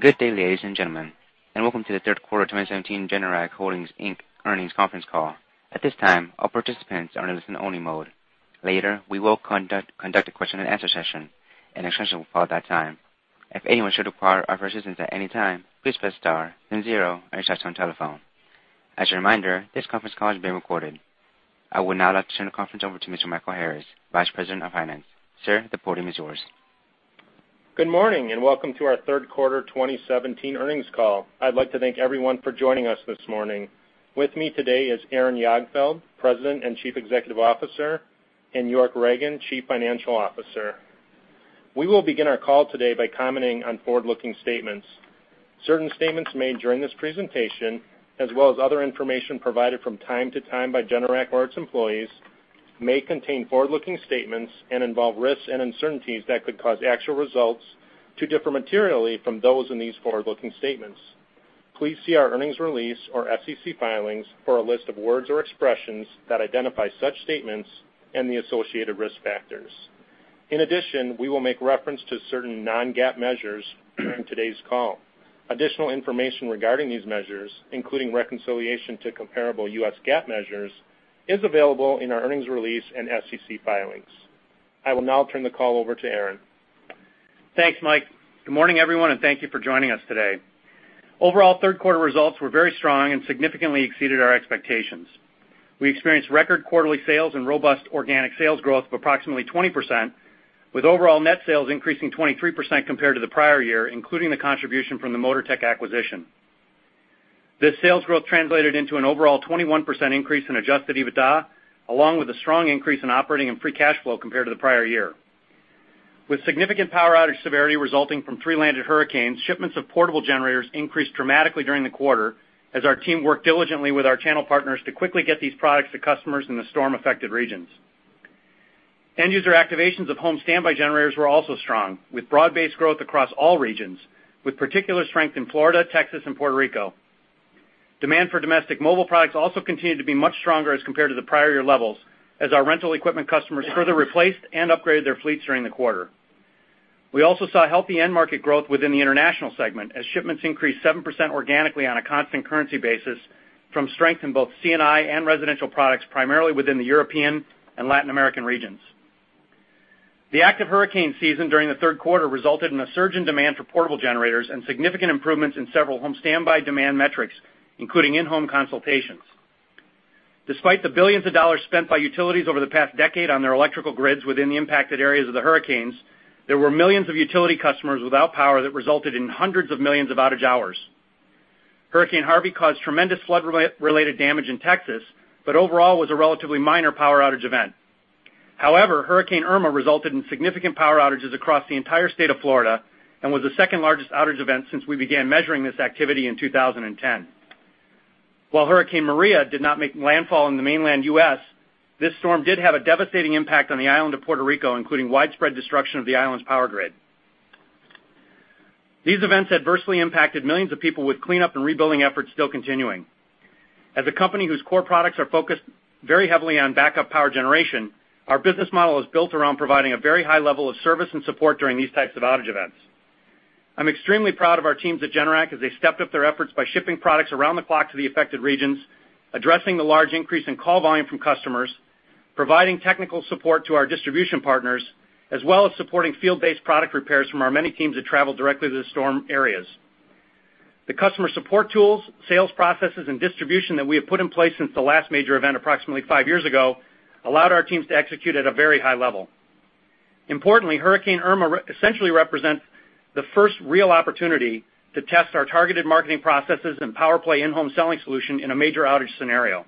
Good day, ladies and gentlemen, and welcome to the third quarter 2017 Generac Holdings Inc. earnings conference call. At this time, all participants are in listen only mode. Later, we will conduct a question-and-answer session. An instruction will follow at that time. If anyone should require our assistance at any time, please press star then zero on your touch-tone telephone. As a reminder, this conference call is being recorded. I would now like to turn the conference over to Mr. Michael Harris, Vice President of Finance. Sir, the podium is yours. Good morning, and welcome to our third quarter 2017 earnings call. I'd like to thank everyone for joining us this morning. With me today is Aaron Jagdfeld, President and Chief Executive Officer, and York Ragen, Chief Financial Officer. We will begin our call today by commenting on forward-looking statements. Certain statements made during this presentation, as well as other information provided from time to time by Generac or its employees, may contain forward-looking statements and involve risks and uncertainties that could cause actual results to differ materially from those in these forward-looking statements. Please see our earnings release or SEC filings for a list of words or expressions that identify such statements and the associated risk factors. In addition, we will make reference to certain non-GAAP measures during today's call. Additional information regarding these measures, including reconciliation to comparable U.S. GAAP measures, is available in our earnings release and SEC filings. I will now turn the call over to Aaron. Thanks, Mike. Good morning, everyone, and thank you for joining us today. Overall third quarter results were very strong and significantly exceeded our expectations. We experienced record quarterly sales and robust organic sales growth of approximately 20%, with overall net sales increasing 23% compared to the prior year, including the contribution from the MOTORTECH acquisition. This sales growth translated into an overall 21% increase in adjusted EBITDA, along with a strong increase in operating and free cash flow compared to the prior year. With significant power outage severity resulting from three landed hurricanes, shipments of portable generators increased dramatically during the quarter as our team worked diligently with our channel partners to quickly get these products to customers in the storm-affected regions. End user activations of home standby generators were also strong, with broad-based growth across all regions, with particular strength in Florida, Texas, and Puerto Rico. Demand for domestic mobile products also continued to be much stronger as compared to the prior year levels, as our rental equipment customers further replaced and upgraded their fleets during the quarter. We also saw healthy end market growth within the international segment as shipments increased 7% organically on a constant currency basis from strength in both C&I and residential products, primarily within the European and Latin American regions. The active hurricane season during the third quarter resulted in a surge in demand for portable generators and significant improvements in several home standby demand metrics, including in-home consultations. Despite the billions of dollars spent by utilities over the past decade on their electrical grids within the impacted areas of the hurricanes, there were millions of utility customers without power that resulted in hundreds of millions of outage hours. Hurricane Harvey caused tremendous flood-related damage in Texas, but overall was a relatively minor power outage event. However, Hurricane Irma resulted in significant power outages across the entire state of Florida and was the second-largest outage event since we began measuring this activity in 2010. Hurricane Maria did not make landfall in the mainland U.S., this storm did have a devastating impact on the island of Puerto Rico, including widespread destruction of the island's power grid. These events adversely impacted millions of people, with cleanup and rebuilding efforts still continuing. As a company whose core products are focused very heavily on backup power generation, our business model is built around providing a very high level of service and support during these types of outage events. I'm extremely proud of our teams at Generac as they stepped up their efforts by shipping products around the clock to the affected regions, addressing the large increase in call volume from customers, providing technical support to our distribution partners, as well as supporting field-based product repairs from our many teams that travel directly to the storm areas. The customer support tools, sales processes, and distribution that we have put in place since the last major event approximately five years ago allowed our teams to execute at a very high level. Importantly, Hurricane Irma essentially represents the first real opportunity to test our targeted marketing processes and PowerPlay in-home selling solution in a major outage scenario.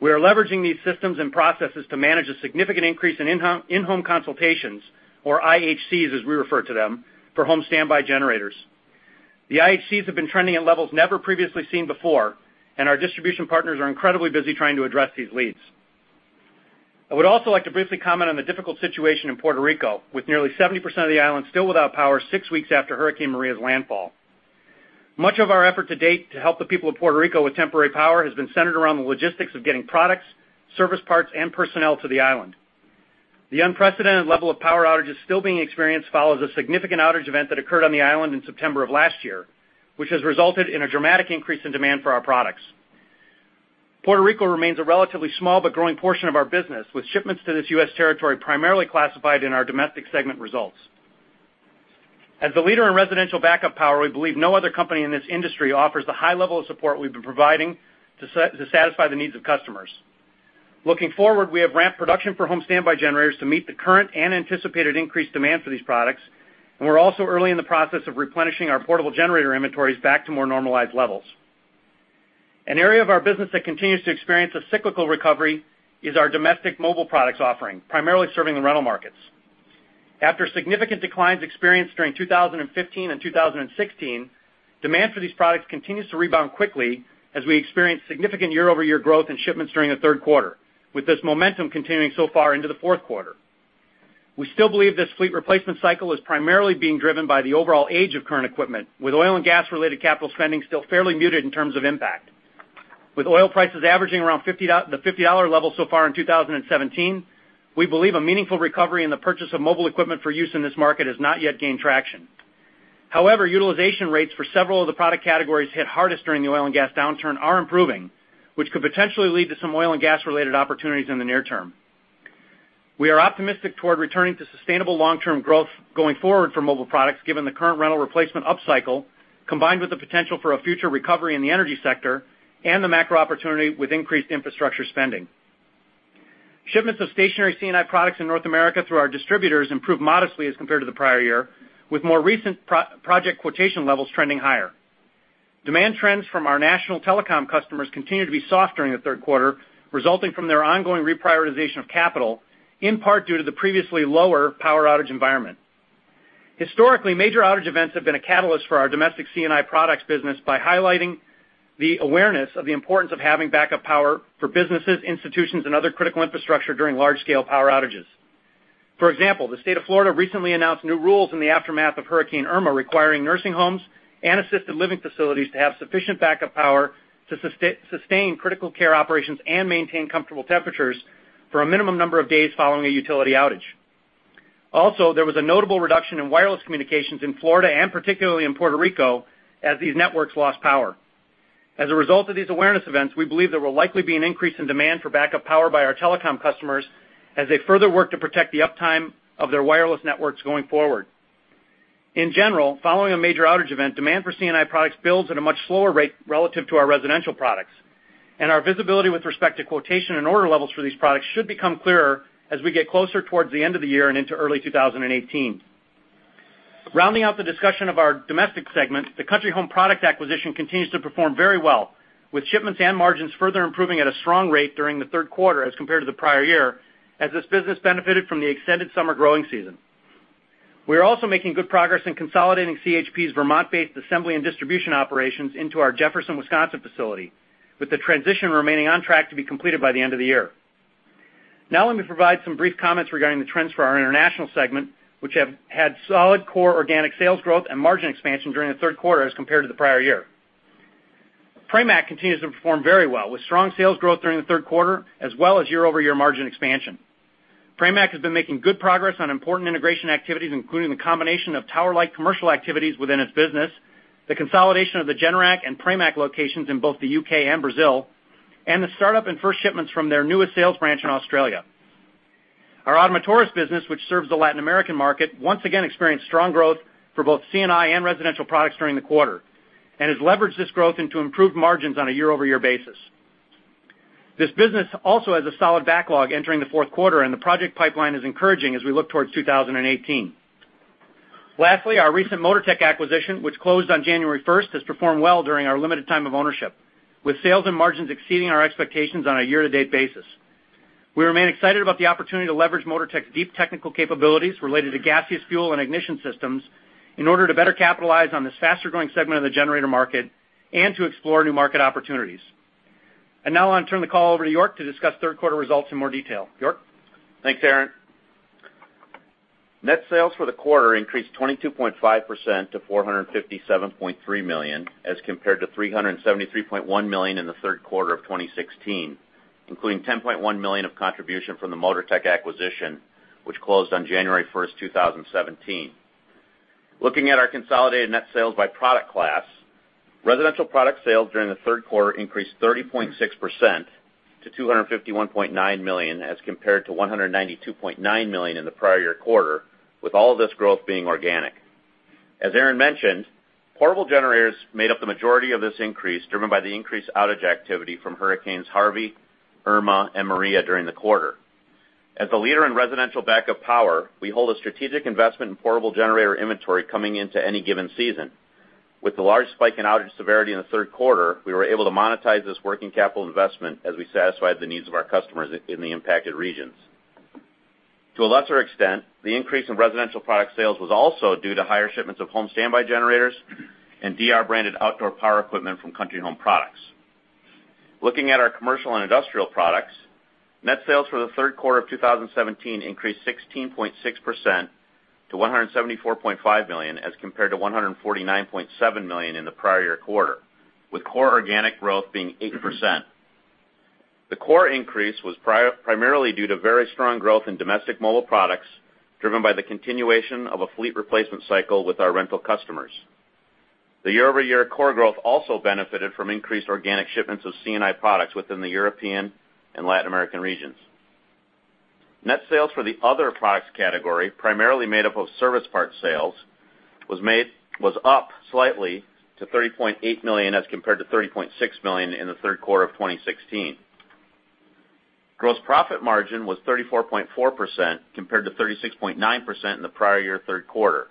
We are leveraging these systems and processes to manage a significant increase in in-home consultations, or IHCs, as we refer to them, for home standby generators. The IHCs have been trending at levels never previously seen before, and our distribution partners are incredibly busy trying to address these leads. I would also like to briefly comment on the difficult situation in Puerto Rico, with nearly 70% of the island still without power six weeks after Hurricane Maria's landfall. Much of our effort to date to help the people of Puerto Rico with temporary power has been centered around the logistics of getting products, service parts, and personnel to the island. The unprecedented level of power outages still being experienced follows a significant outage event that occurred on the island in September of last year, which has resulted in a dramatic increase in demand for our products. Puerto Rico remains a relatively small but growing portion of our business, with shipments to this U.S. territory primarily classified in our domestic segment results. As the leader in residential backup power, we believe no other company in this industry offers the high level of support we've been providing to satisfy the needs of customers. Looking forward, we have ramped production for home standby generators to meet the current and anticipated increased demand for these products, and we're also early in the process of replenishing our portable generator inventories back to more normalized levels. An area of our business that continues to experience a cyclical recovery is our domestic mobile products offering, primarily serving the rental markets. After significant declines experienced during 2015 and 2016, demand for these products continues to rebound quickly as we experience significant year-over-year growth in shipments during the third quarter, with this momentum continuing so far into the fourth quarter. We still believe this fleet replacement cycle is primarily being driven by the overall age of current equipment, with oil and gas-related capital spending still fairly muted in terms of impact. With oil prices averaging around the $50 level so far in 2017, we believe a meaningful recovery in the purchase of mobile equipment for use in this market has not yet gained traction. However, utilization rates for several of the product categories hit hardest during the oil and gas downturn are improving, which could potentially lead to some oil-and-gas-related opportunities in the near term. We are optimistic toward returning to sustainable long-term growth going forward for mobile products, given the current rental replacement upcycle, combined with the potential for a future recovery in the energy sector and the macro opportunity with increased infrastructure spending. Shipments of stationary C&I products in North America through our distributors improved modestly as compared to the prior year, with more recent project quotation levels trending higher. Demand trends from our national telecom customers continued to be soft during the third quarter, resulting from their ongoing reprioritization of capital, in part due to the previously lower power outage environment. Historically, major outage events have been a catalyst for our domestic C&I products business by highlighting the awareness of the importance of having backup power for businesses, institutions, and other critical infrastructure during large-scale power outages. For example, the state of Florida recently announced new rules in the aftermath of Hurricane Irma, requiring nursing homes and assisted living facilities to have sufficient backup power to sustain critical care operations and maintain comfortable temperatures for a minimum number of days following a utility outage. There was a notable reduction in wireless communications in Florida, and particularly in Puerto Rico, as these networks lost power. As a result of these awareness events, we believe there will likely be an increase in demand for backup power by our telecom customers as they further work to protect the uptime of their wireless networks going forward. In general, following a major outage event, demand for C&I products builds at a much slower rate relative to our residential products, and our visibility with respect to quotation and order levels for these products should become clearer as we get closer towards the end of the year and into early 2018. Rounding out the discussion of our domestic segment, the Country Home Products acquisition continues to perform very well, with shipments and margins further improving at a strong rate during the third quarter as compared to the prior year as this business benefited from the extended summer growing season. We are also making good progress in consolidating CHP's Vermont-based assembly and distribution operations into our Jefferson, Wisconsin facility, with the transition remaining on track to be completed by the end of the year. Let me provide some brief comments regarding the trends for our international segment, which have had solid core organic sales growth and margin expansion during the third quarter as compared to the prior year. Pramac continues to perform very well with strong sales growth during the third quarter as well as year-over-year margin expansion. Pramac has been making good progress on important integration activities, including the combination of Tower Light commercial activities within its business, the consolidation of the Generac and Pramac locations in both the U.K. and Brazil, and the startup and first shipments from their newest sales branch in Australia. Our Ottomotores business, which serves the Latin American market, once again experienced strong growth for both C&I and residential products during the quarter and has leveraged this growth into improved margins on a year-over-year basis. This business also has a solid backlog entering the fourth quarter, and the project pipeline is encouraging as we look towards 2018. Lastly, our recent MOTORTECH acquisition, which closed on January 1st, has performed well during our limited time of ownership, with sales and margins exceeding our expectations on a year-to-date basis. We remain excited about the opportunity to leverage MOTORTECH's deep technical capabilities related to gaseous fuel and ignition systems in order to better capitalize on this faster-growing segment of the generator market and to explore new market opportunities. I now want to turn the call over to York to discuss third quarter results in more detail. York? Thanks, Aaron. Net sales for the quarter increased 22.5% to $457.3 million, as compared to $373.1 million in the third quarter of 2016, including $10.1 million of contribution from the MOTORTECH acquisition, which closed on January 1st, 2017. Looking at our consolidated net sales by product class, residential product sales during the third quarter increased 30.6% to $251.9 million, as compared to $192.9 million in the prior year quarter, with all this growth being organic. As Aaron mentioned, portable generators made up the majority of this increase, driven by the increased outage activity from Hurricane Harvey, Irma, and Maria during the quarter. As a leader in residential backup power, we hold a strategic investment in portable generator inventory coming into any given season. With the large spike in outage severity in the third quarter, we were able to monetize this working capital investment as we satisfied the needs of our customers in the impacted regions. To a lesser extent, the increase in residential product sales was also due to higher shipments of home standby generators and DR branded outdoor power equipment from Country Home Products. Looking at our commercial and industrial products, net sales for the third quarter of 2017 increased 16.6% to $174.5 million, as compared to $149.7 million in the prior year quarter, with core organic growth being 8%. The core increase was primarily due to very strong growth in domestic mobile products, driven by the continuation of a fleet replacement cycle with our rental customers. The year-over-year core growth also benefited from increased organic shipments of C&I products within the European and Latin American regions. Net sales for the other products category, primarily made up of service parts sales, was up slightly to $30.8 million, as compared to $30.6 million in the third quarter of 2016. Gross profit margin was 34.4%, compared to 36.9% in the prior year third quarter.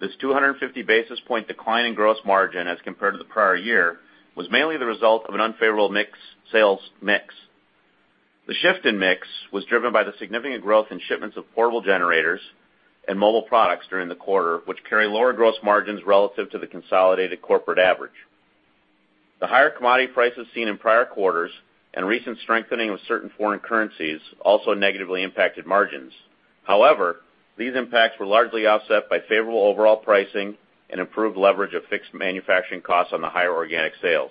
This 250 basis point decline in gross margin as compared to the prior year was mainly the result of an unfavorable sales mix. The shift in mix was driven by the significant growth in shipments of portable generators and mobile products during the quarter, which carry lower gross margins relative to the consolidated corporate average. The higher commodity prices seen in prior quarters and recent strengthening of certain foreign currencies also negatively impacted margins. However, these impacts were largely offset by favorable overall pricing and improved leverage of fixed manufacturing costs on the higher organic sales.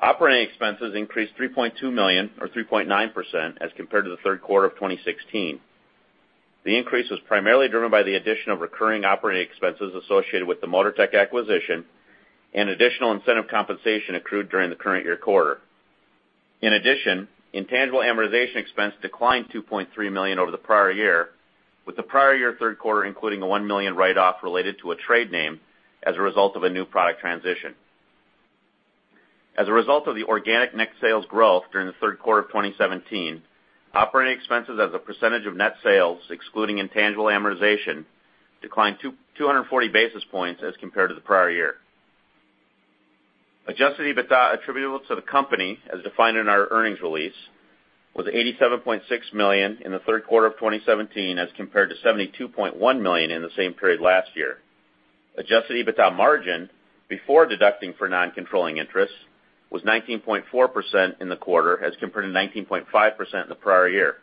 Operating expenses increased $3.2 million, or 3.9% as compared to the third quarter of 2016. The increase was primarily driven by the addition of recurring operating expenses associated with the MOTORTECH acquisition and additional incentive compensation accrued during the current year quarter. In addition, intangible amortization expense declined $2.3 million over the prior year, with the prior year third quarter including a $1 million write-off related to a trade name as a result of a new product transition. As a result of the organic net sales growth during the third quarter of 2017, operating expenses as a percentage of net sales, excluding intangible amortization, declined 240 basis points as compared to the prior year. Adjusted EBITDA attributable to the company, as defined in our earnings release, was $87.6 million in the third quarter of 2017 as compared to $72.1 million in the same period last year. Adjusted EBITDA margin, before deducting for non-controlling interests, was 19.4% in the quarter, as compared to 19.5% in the prior year.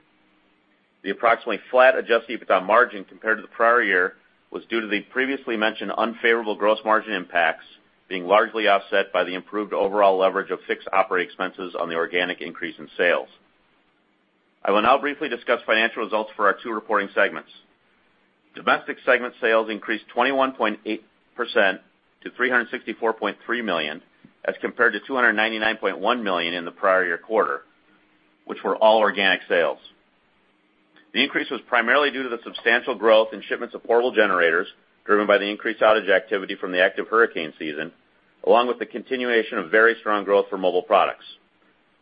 The approximately flat adjusted EBITDA margin compared to the prior year was due to the previously mentioned unfavorable gross margin impacts being largely offset by the improved overall leverage of fixed operating expenses on the organic increase in sales. I will now briefly discuss financial results for our two reporting segments. Domestic segment sales increased 21.8% to $364.3 million, as compared to $299.1 million in the prior year quarter, which were all organic sales. The increase was primarily due to the substantial growth in shipments of portable generators, driven by the increased outage activity from the active hurricane season, along with the continuation of very strong growth for mobile products.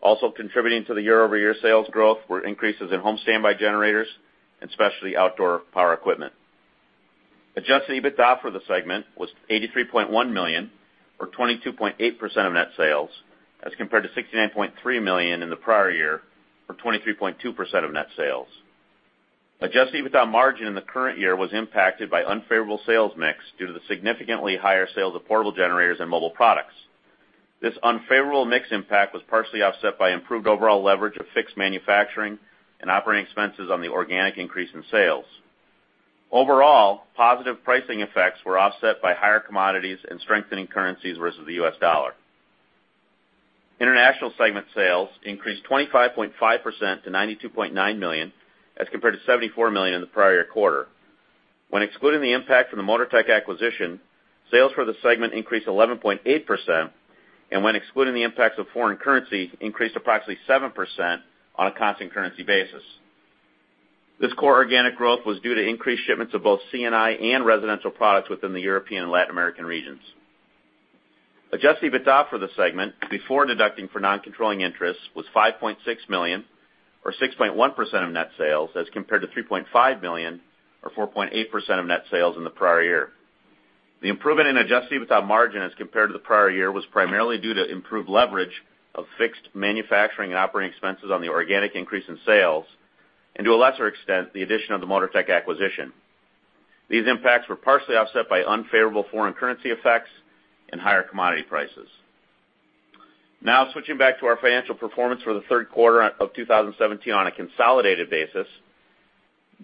Also contributing to the year-over-year sales growth were increases in home standby generators and specialty outdoor power equipment. Adjusted EBITDA for the segment was $83.1 million, or 22.8% of net sales, as compared to $69.3 million in the prior year, or 23.2% of net sales. Adjusted EBITDA margin in the current year was impacted by unfavorable sales mix due to the significantly higher sales of portable generators and mobile products. This unfavorable mix impact was partially offset by improved overall leverage of fixed manufacturing and operating expenses on the organic increase in sales. Positive pricing effects were offset by higher commodities and strengthening currencies versus the U.S. dollar. International segment sales increased 25.5% to $92.9 million, as compared to $74 million in the prior year quarter. When excluding the impact from the MOTORTECH acquisition, sales for the segment increased 11.8%, and when excluding the impacts of foreign currency, increased approximately 7% on a constant currency basis. This core organic growth was due to increased shipments of both C&I and residential products within the European and Latin American regions. Adjusted EBITDA for the segment, before deducting for non-controlling interests, was $5.6 million, or 6.1% of net sales, as compared to $3.5 million, or 4.8% of net sales in the prior year. The improvement in adjusted EBITDA margin as compared to the prior year was primarily due to improved leverage of fixed manufacturing and operating expenses on the organic increase in sales, and to a lesser extent, the addition of the MOTORTECH acquisition. These impacts were partially offset by unfavorable foreign currency effects and higher commodity prices. Switching back to our financial performance for the third quarter of 2017 on a consolidated basis.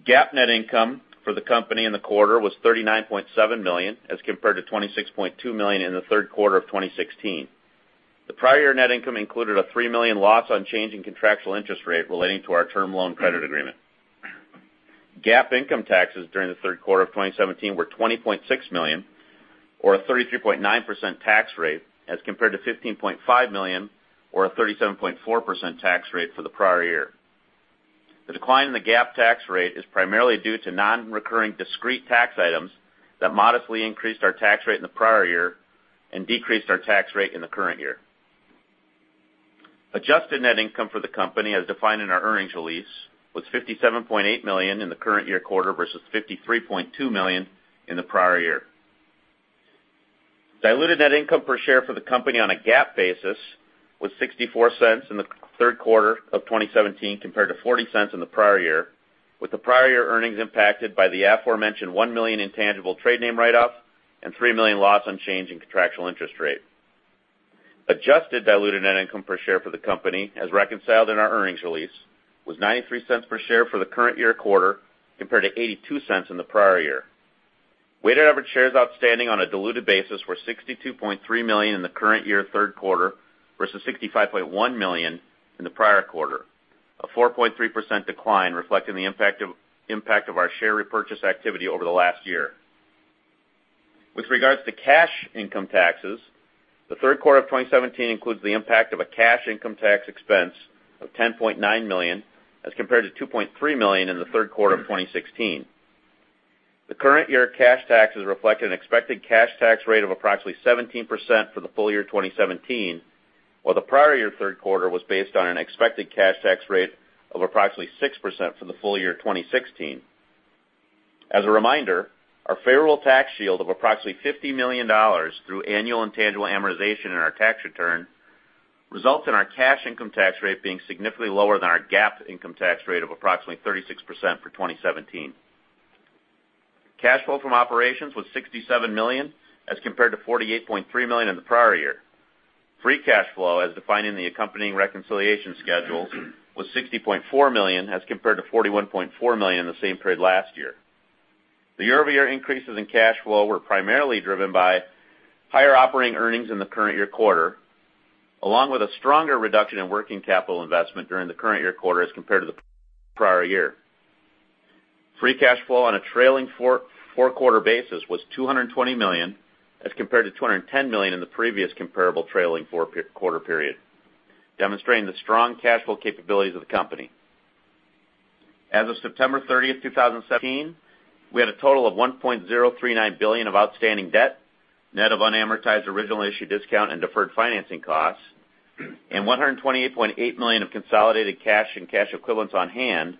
GAAP net income for the company in the quarter was $39.7 million, as compared to $26.2 million in the third quarter of 2016. The prior year net income included a $3 million loss on change in contractual interest rate relating to our term loan credit agreement. GAAP income taxes during the third quarter of 2017 were $20.6 million, or a 33.9% tax rate, as compared to $15.5 million, or a 37.4% tax rate for the prior year. The decline in the GAAP tax rate is primarily due to non-recurring discrete tax items that modestly increased our tax rate in the prior year and decreased our tax rate in the current year. Adjusted net income for the company, as defined in our earnings release, was $57.8 million in the current year quarter versus $53.2 million in the prior year. Diluted net income per share for the company on a GAAP basis was $0.64 in the third quarter of 2017 compared to $0.40 in the prior year, with the prior year earnings impacted by the aforementioned 1 million intangible trade name write-off and 3 million loss on change in contractual interest rate. Adjusted diluted net income per share for the company, as reconciled in our earnings release, was $0.93 per share for the current year quarter compared to $0.82 in the prior year. Weighted average shares outstanding on a diluted basis were 62.3 million in the current year third quarter versus 65.1 million in the prior quarter. A 4.3% decline reflecting the impact of our share repurchase activity over the last year. With regards to cash income taxes, the third quarter of 2017 includes the impact of a cash income tax expense of $10.9 million, as compared to $2.3 million in the third quarter of 2016. The current year cash taxes reflect an expected cash tax rate of approximately 17% for the full year 2017, while the prior year third quarter was based on an expected cash tax rate of approximately 6% for the full year of 2016. As a reminder, our favorable tax shield of approximately $50 million through annual intangible amortization in our tax return results in our cash income tax rate being significantly lower than our GAAP income tax rate of approximately 36% for 2017. Cash flow from operations was $67 million as compared to $48.3 million in the prior year. Free cash flow, as defined in the accompanying reconciliation schedules, was $60.4 million as compared to $41.4 million in the same period last year. The year-over-year increases in cash flow were primarily driven by higher operating earnings in the current year quarter, along with a stronger reduction in working capital investment during the current year quarter as compared to the prior year. Free cash flow on a trailing four-quarter basis was $220 million, as compared to $210 million in the previous comparable trailing four-quarter period, demonstrating the strong cash flow capabilities of the company. As of September 30, 2017, we had a total of $1.039 billion of outstanding debt, net of unamortized originally issued discount and deferred financing costs, and $128.8 million of consolidated cash and cash equivalents on hand,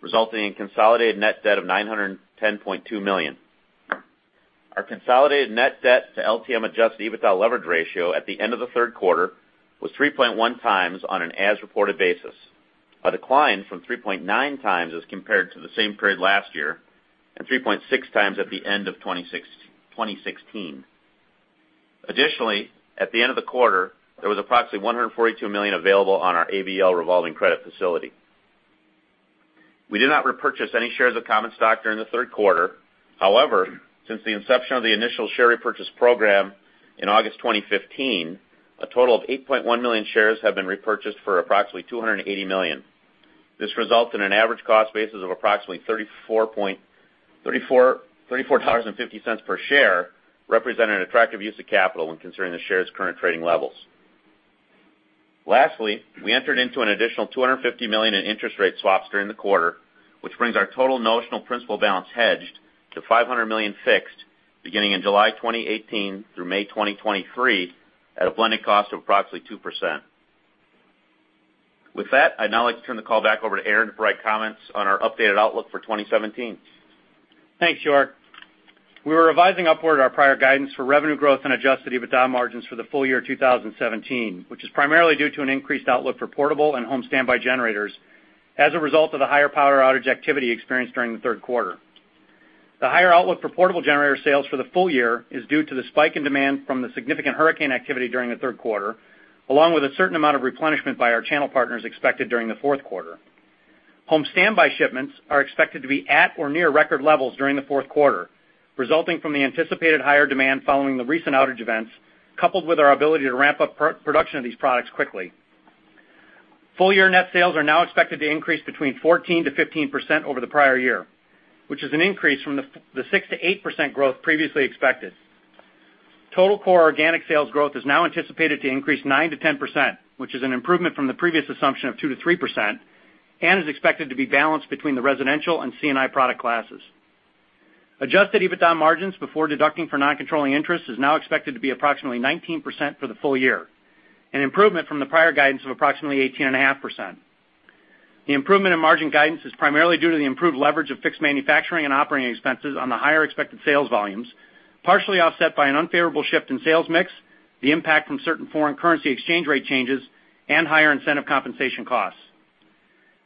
resulting in consolidated net debt of $910.2 million. Our consolidated net debt to LTM adjusted EBITDA leverage ratio at the end of the third quarter was 3.1x on an as-reported basis, a decline from 3.9x as compared to the same period last year, and 3.6x at the end of 2016. Additionally, at the end of the quarter, there was approximately $142 million available on our ABL revolving credit facility. We did not repurchase any shares of common stock during the third quarter. However, since the inception of the initial share repurchase program in August 2015, a total of 8.1 million shares have been repurchased for approximately $280 million. This results in an average cost basis of approximately $34.50 per share, representing an attractive use of capital when considering the share's current trading levels. Lastly, we entered into an additional $250 million in interest rate swaps during the quarter, which brings our total notional principal balance hedged to $500 million fixed beginning in July 2018 through May 2023 at a blended cost of approximately 2%. With that, I'd now like to turn the call back over to Aaron to provide comments on our updated outlook for 2017. Thanks, York. We are revising upward our prior guidance for revenue growth and adjusted EBITDA margins for the full year 2017, which is primarily due to an increased outlook for portable and home standby generators as a result of the higher power outage activity experienced during the third quarter. The higher outlook for portable generator sales for the full year is due to the spike in demand from the significant hurricane activity during the third quarter, along with a certain amount of replenishment by our channel partners expected during the fourth quarter. Home standby shipments are expected to be at or near record levels during the fourth quarter, resulting from the anticipated higher demand following the recent outage events, coupled with our ability to ramp up production of these products quickly. Full-year net sales are now expected to increase between 14%-15% over the prior year, which is an increase from the 6%-8% growth previously expected. Total core organic sales growth is now anticipated to increase 9%-10%, which is an improvement from the previous assumption of 2%-3% and is expected to be balanced between the residential and C&I product classes. Adjusted EBITDA margins before deducting for non-controlling interest is now expected to be approximately 19% for the full year, an improvement from the prior guidance of approximately 18.5%. The improvement in margin guidance is primarily due to the improved leverage of fixed manufacturing and operating expenses on the higher expected sales volumes, partially offset by an unfavorable shift in sales mix, the impact from certain foreign currency exchange rate changes, and higher incentive compensation costs.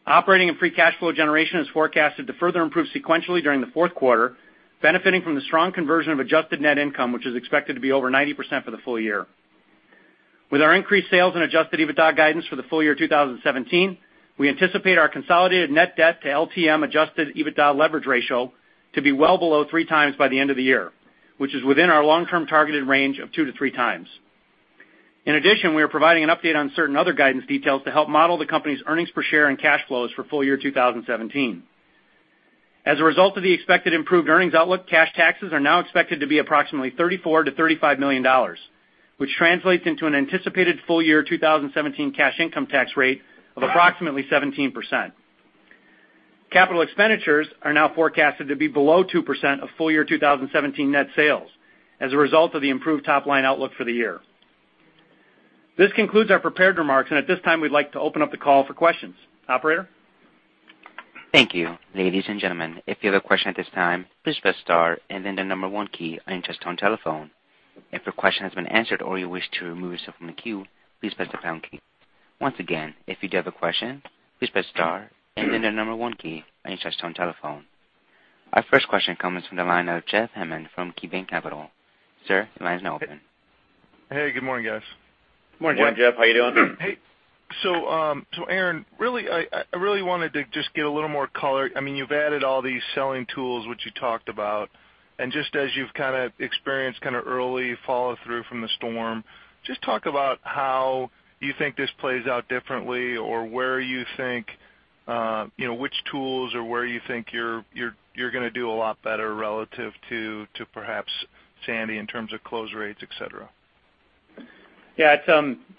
Operating and free cash flow generation is forecasted to further improve sequentially during the fourth quarter, benefiting from the strong conversion of adjusted net income, which is expected to be over 90% for the full year. With our increased sales and adjusted EBITDA guidance for the full year 2017, we anticipate our consolidated net debt to LTM adjusted EBITDA leverage ratio to be well below 3x by the end of the year, which is within our long-term targeted range of 2x-3x In addition, we are providing an update on certain other guidance details to help model the company's earnings per share and cash flows for full year 2017. As a result of the expected improved earnings outlook, cash taxes are now expected to be approximately $34 million-$35 million, which translates into an anticipated full year 2017 cash income tax rate of approximately 17%. Capital expenditures are now forecasted to be below 2% of full year 2017 net sales as a result of the improved top-line outlook for the year. This concludes our prepared remarks, at this time, we'd like to open up the call for questions. Operator? Thank you. Ladies and gentlemen, if you have a question at this time, please press star and then the number one key on your touch-tone telephone. If your question has been answered or you wish to remove yourself from the queue, please press the pound key. Once again, if you do have a question, please press star and then the number one key on your touch-tone telephone. Our first question comes from the line of Jeff Hammond from KeyBanc Capital. Sir, the line is now open. Hey, good morning, guys. Good morning, Jeff. Morning, Jeff. How you doing? Hey. Aaron, I really wanted to just get a little more color. You've added all these selling tools which you talked about, and just as you've kind of experienced kind of early follow-through from the storm, just talk about how you think this plays out differently or where you think, which tools or where you think you're going to do a lot better relative to perhaps Sandy in terms of close rates, et cetera. Yeah.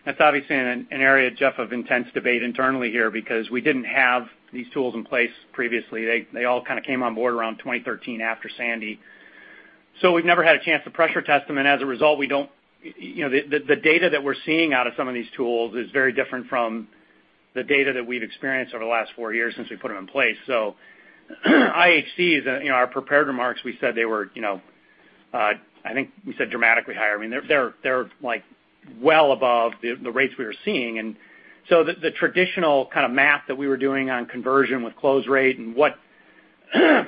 It's obviously an area, Jeff, of intense debate internally here because we didn't have these tools in place previously. They all kind of came on board around 2013 after Sandy. We've never had a chance to pressure test them, and as a result, the data that we're seeing out of some of these tools is very different from the data that we've experienced over the last four years since we put them in place. IHCs, in our prepared remarks, I think we said dramatically higher. I mean, they're well above the rates we were seeing. The traditional kind of math that we were doing on conversion with close rate and what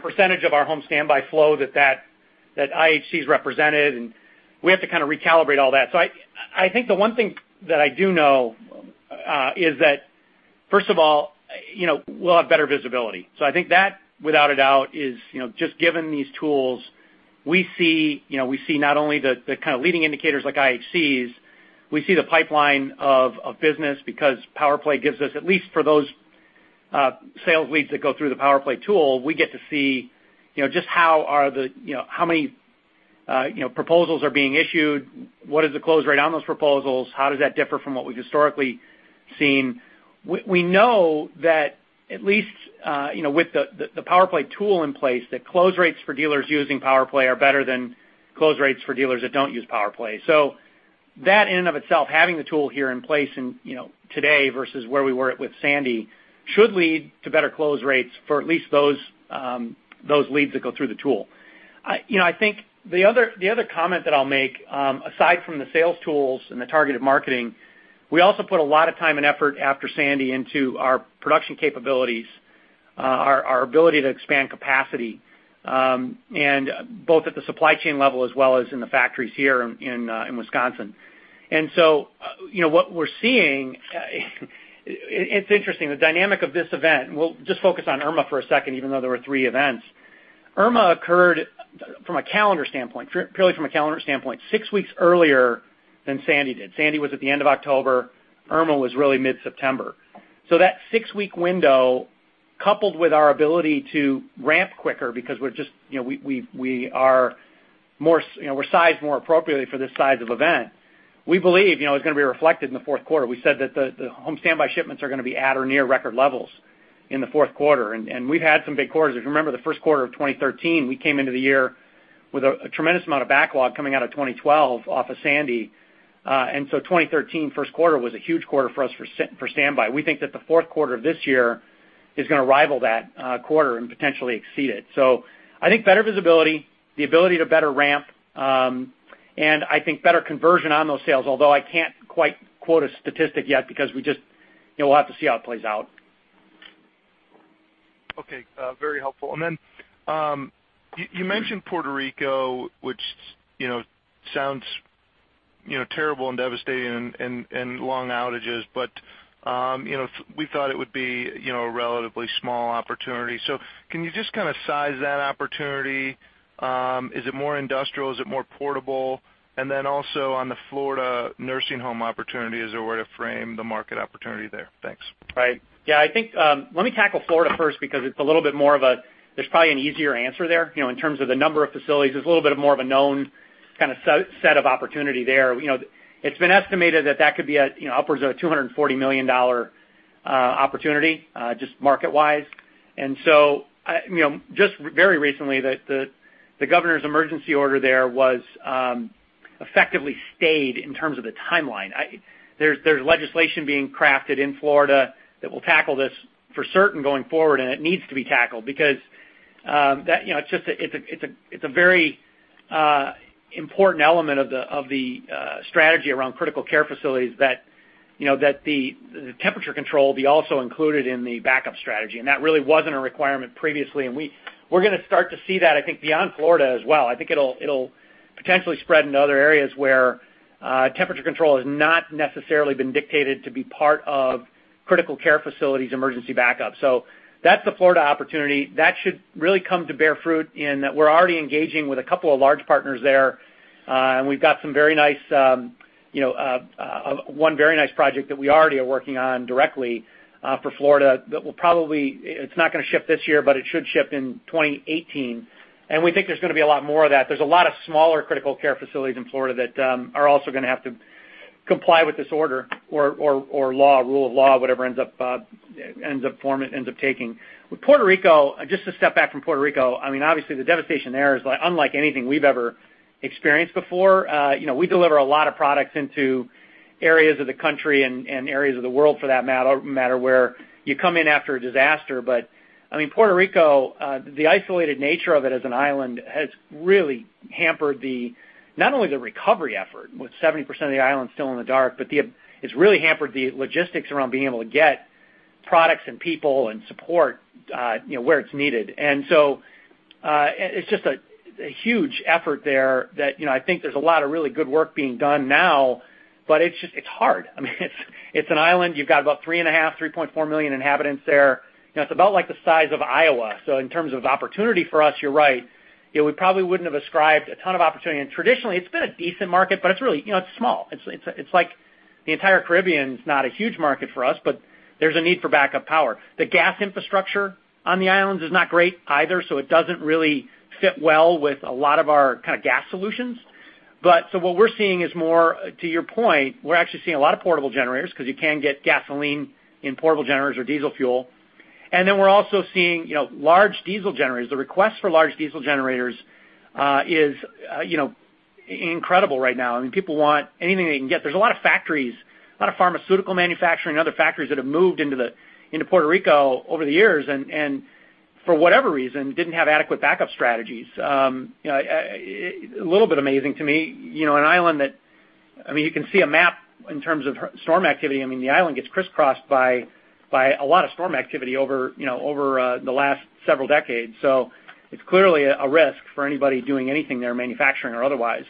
percentage of our home standby flow that IHCs represented, and we have to kind of recalibrate all that. I think the one thing that I do know, is that first of all, we'll have better visibility. I think that, without a doubt, is just given these tools, we see not only the kind of leading indicators like IHCs, we see the pipeline of business because PowerPlay gives us, at least for those, sales leads that go through the PowerPlay tool, we get to see just how many proposals are being issued, what is the close rate on those proposals, how does that differ from what we've historically seen. We know that at least, with the PowerPlay tool in place, that close rates for dealers using PowerPlay are better than close rates for dealers that don't use PowerPlay. That in and of itself, having the tool here in place today versus where we were at with Sandy, should lead to better close rates for at least those leads that go through the tool. I think the other comment that I'll make, aside from the sales tools and the targeted marketing, we also put a lot of time and effort after Sandy into our production capabilities, our ability to expand capacity, both at the supply chain level as well as in the factories here in Wisconsin. What we're seeing, it's interesting, the dynamic of this event, we'll just focus on Irma for a second, even though there were three events. Irma occurred from a calendar standpoint, purely from a calendar standpoint, six weeks earlier than Sandy did. Sandy was at the end of October. Irma was really mid-September. That six-week window, coupled with our ability to ramp quicker because we're sized more appropriately for this size of event. We believe it's going to be reflected in the fourth quarter. We said that the home standby shipments are going to be at or near record levels in the fourth quarter, and we've had some big quarters. If you remember the first quarter of 2013, we came into the year with a tremendous amount of backlog coming out of 2012 off of Sandy. 2013 first quarter was a huge quarter for us for standby. We think that the fourth quarter of this year is going to rival that quarter and potentially exceed it. I think better visibility, the ability to better ramp, and I think better conversion on those sales, although I can't quite quote a statistic yet because we'll have to see how it plays out. Okay. Very helpful. You mentioned Puerto Rico, which sounds terrible and devastating and long outages, but we thought it would be a relatively small opportunity. Can you just kind of size that opportunity? Is it more industrial? Is it more portable? And then also on the Florida nursing home opportunity, is there a way to frame the market opportunity there? Thanks. Right. Yeah, let me tackle Florida first because it's a little bit more of a there's probably an easier answer there. In terms of the number of facilities, there's a little bit of more of a known kind of set of opportunity there. It's been estimated that could be upwards of a $240 million opportunity, just market-wise. Just very recently, the governor's emergency order there was effectively stayed in terms of the timeline. There's legislation being crafted in Florida that will tackle this for certain going forward, and it needs to be tackled because it's a very important element of the strategy around critical care facilities that the temperature control be also included in the backup strategy. That really wasn't a requirement previously. We're going to start to see that, I think, beyond Florida as well. I think it'll potentially spread into other areas where temperature control has not necessarily been dictated to be part of critical care facilities emergency backup. That's the Florida opportunity. That should really come to bear fruit in that we're already engaging with a couple of large partners there. We've got one very nice project that we already are working on directly, for Florida that will probably, it's not going to ship this year, but it should ship in 2018. We think there's going to be a lot more of that. There's a lot of smaller critical care facilities in Florida that are also going to have to comply with this order or law, rule of law, whatever ends up forming, ends up taking. With Puerto Rico, just to step back from Puerto Rico, I mean, obviously the devastation there is unlike anything we've ever experienced before. We deliver a lot of products into areas of the country and areas of the world for that matter, where you come in after a disaster. I mean, Puerto Rico, the isolated nature of it as an island has really hampered not only the recovery effort with 70% of the island still in the dark, but it's really hampered the logistics around being able to get products and people and support where it's needed. It's just a huge effort there that I think there's a lot of really good work being done now, but it's hard. I mean, it's an island. You've got about 3.5 million, 3.4 million inhabitants there. It's about like the size of Iowa. In terms of opportunity for us, you're right. We probably wouldn't have ascribed a ton of opportunity. Traditionally it's been a decent market, but it's really small. It's like the entire Caribbean is not a huge market for us, but there's a need for backup power. The gas infrastructure on the islands is not great either, so it doesn't really fit well with a lot of our kind of gas solutions. What we're seeing is more to your point, we're actually seeing a lot of portable generators because you can get gasoline in portable generators or diesel fuel. We're also seeing large diesel generators. The request for large diesel generators is incredible right now. People want anything they can get. There's a lot of factories, a lot of pharmaceutical manufacturing and other factories that have moved into Puerto Rico over the years, and for whatever reason, didn't have adequate backup strategies. A little bit amazing to me, an island that you can see a map in terms of storm activity. The island gets crisscrossed by a lot of storm activity over the last several decades. It's clearly a risk for anybody doing anything there, manufacturing or otherwise.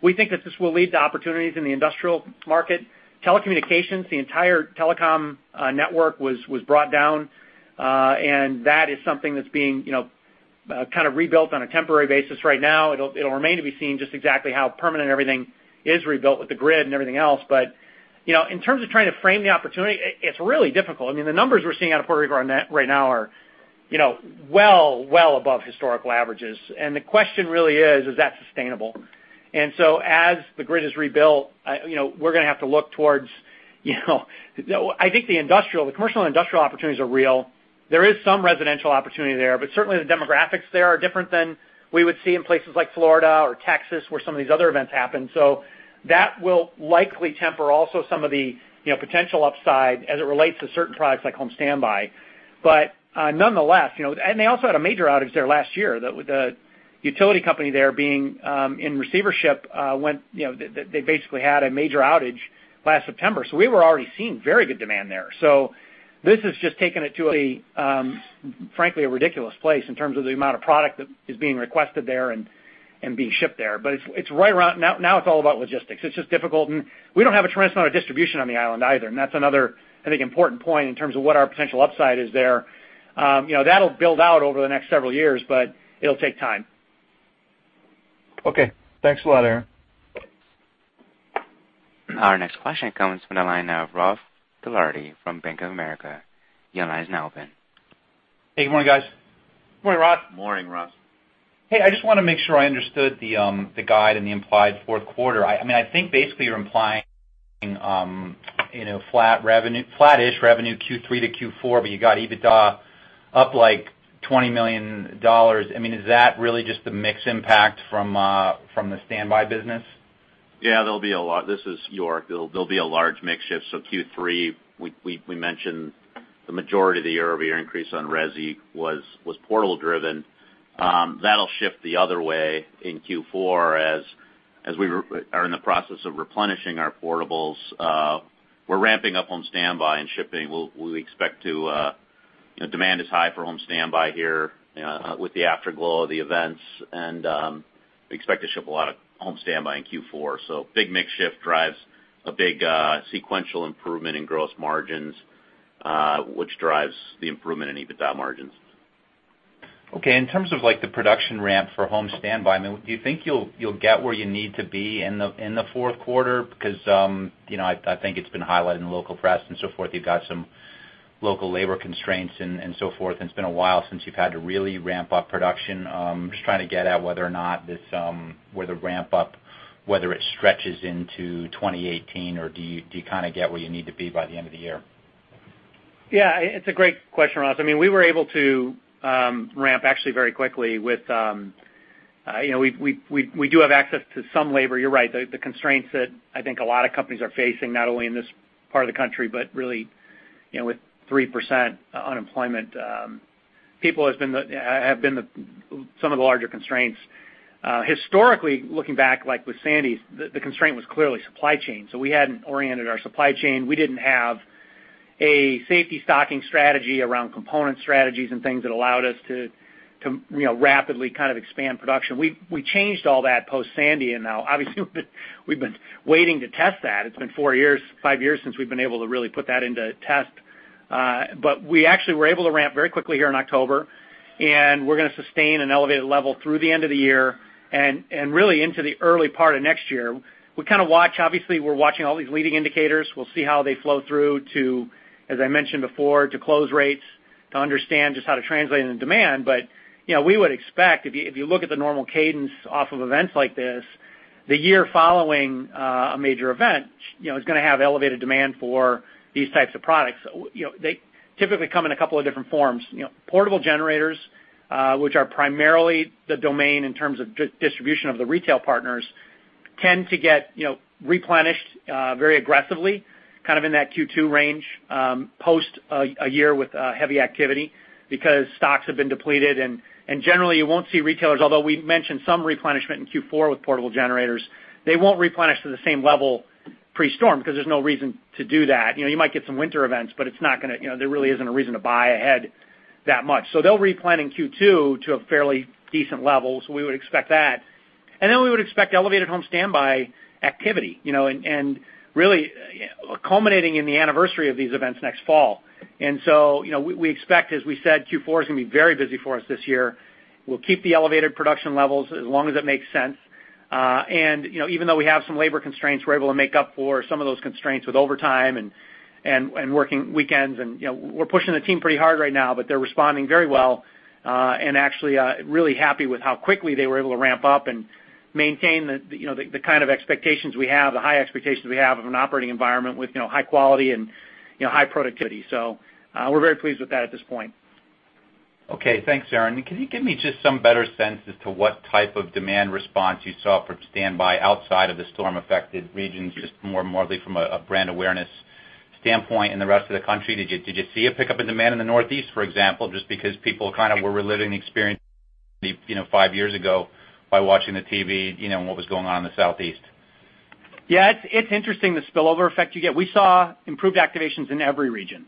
We think that this will lead to opportunities in the industrial market. Telecommunications, the entire telecom network was brought down, and that is something that's being kind of rebuilt on a temporary basis right now. It'll remain to be seen just exactly how permanent everything is rebuilt with the grid and everything else. In terms of trying to frame the opportunity, it's really difficult. The numbers we're seeing out of Puerto Rico right now are well above historical averages. The question really is that sustainable? As the grid is rebuilt, we're going to have to look towards. I think the commercial and industrial opportunities are real. There is some residential opportunity there, but certainly the demographics there are different than we would see in places like Florida or Texas, where some of these other events happen. That will likely temper also some of the potential upside as it relates to certain products like home standby. Nonetheless, they also had a major outage there last year. The utility company there being in receivership, they basically had a major outage last September. We were already seeing very good demand there. This has just taken it to a, frankly, a ridiculous place in terms of the amount of product that is being requested there and being shipped there. Now it's all about logistics. It's just difficult. We don't have a tremendous amount of distribution on the island either. That's another, I think, important point in terms of what our potential upside is there. That'll build out over the next several years, but it'll take time. Okay. Thanks a lot, Aaron. Our next question comes from the line of Ross Gilardi from Bank of America. Your line is now open. Hey, good morning, guys. Good morning, Ross. Morning, Ross. Hey, I just want to make sure I understood the guide and the implied fourth quarter. I think basically you're implying flat-ish revenue Q3 to Q4, but you got EBITDA up like $20 million. Is that really just the mix impact from the standby business? Yeah, there'll be a lot. This is York. There'll be a large mix shift. Q3, we mentioned the majority of the year-over-year increase on resi was portable-driven. That'll shift the other way in Q4 as we are in the process of replenishing our portables. We're ramping up home standby and shipping. Demand is high for home standby here with the afterglow of the events, and we expect to ship a lot of home standby in Q4. Big mix shift drives a big sequential improvement in gross margins, which drives the improvement in EBITDA margins. Okay. In terms of the production ramp for home standby, do you think you'll get where you need to be in the fourth quarter? I think it's been highlighted in local press and so forth, you've got some local labor constraints and so forth, and it's been a while since you've had to really ramp up production. I'm just trying to get at whether or not with the ramp up, whether it stretches into 2018, or do you kind of get where you need to be by the end of the year? Yeah. It's a great question, Ross. We were able to ramp actually very quickly. We do have access to some labor. You're right, the constraints that I think a lot of companies are facing, not only in this part of the country, but really with 3% unemployment, people have been some of the larger constraints. Historically, looking back like with Sandy, the constraint was clearly supply chain. We hadn't oriented our supply chain. We didn't have a safety stocking strategy around component strategies and things that allowed us to rapidly kind of expand production. We changed all that post-Sandy, and now obviously we've been waiting to test that. It's been four years, five years since we've been able to really put that into test. We actually were able to ramp very quickly here in October, and we're going to sustain an elevated level through the end of the year and really into the early part of next year. We kind of watch, obviously, we're watching all these leading indicators. We'll see how they flow through to, as I mentioned before, to close rates to understand just how to translate into demand. We would expect, if you look at the normal cadence off of events like this, the year following a major event is going to have elevated demand for these types of products. They typically come in a couple of different forms. Portable generators, which are primarily the domain in terms of distribution of the retail partners, tend to get replenished very aggressively, kind of in that Q2 range, post a year with heavy activity because stocks have been depleted, and generally, you won't see retailers, although we mentioned some replenishment in Q4 with portable generators, they won't replenish to the same level pre-storm because there's no reason to do that. You might get some winter events, but there really isn't a reason to buy ahead that much. They'll replenish in Q2 to a fairly decent level, so we would expect that. We would expect elevated home standby activity, and really culminating in the anniversary of these events next fall. We expect, as we said, Q4 is going to be very busy for us this year. We'll keep the elevated production levels as long as it makes sense. Even though we have some labor constraints, we're able to make up for some of those constraints with overtime and working weekends. We're pushing the team pretty hard right now, but they're responding very well. Actually, really happy with how quickly they were able to ramp up and maintain the kind of expectations we have, the high expectations we have of an operating environment with high quality and high productivity. We're very pleased with that at this point. Okay. Thanks, Aaron. Can you give me just some better sense as to what type of demand response you saw from standby outside of the storm-affected regions, just more broadly from a brand awareness standpoint in the rest of the country? Did you see a pickup in demand in the Northeast, for example, just because people were reliving the experience five years ago by watching the TV, and what was going on in the Southeast? Yeah. It's interesting the spillover effect you get. We saw improved activations in every region.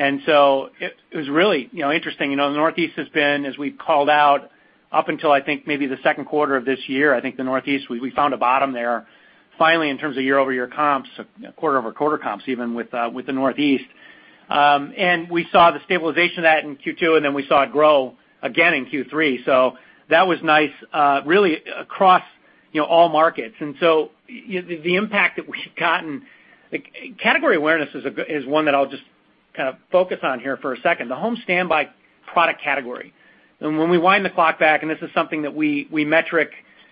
It was really interesting. The Northeast has been, as we've called out, up until I think maybe the second quarter of this year, I think the Northeast, we found a bottom there finally in terms of year-over-year comps, quarter-over-quarter comps, even with the Northeast. We saw the stabilization of that in Q2, and we saw it grow again in Q3. That was nice, really across all markets. The impact that we've gotten, category awareness is one that I'll just focus on here for a second. The home standby product category. When we wind the clock back, and this is something that we metric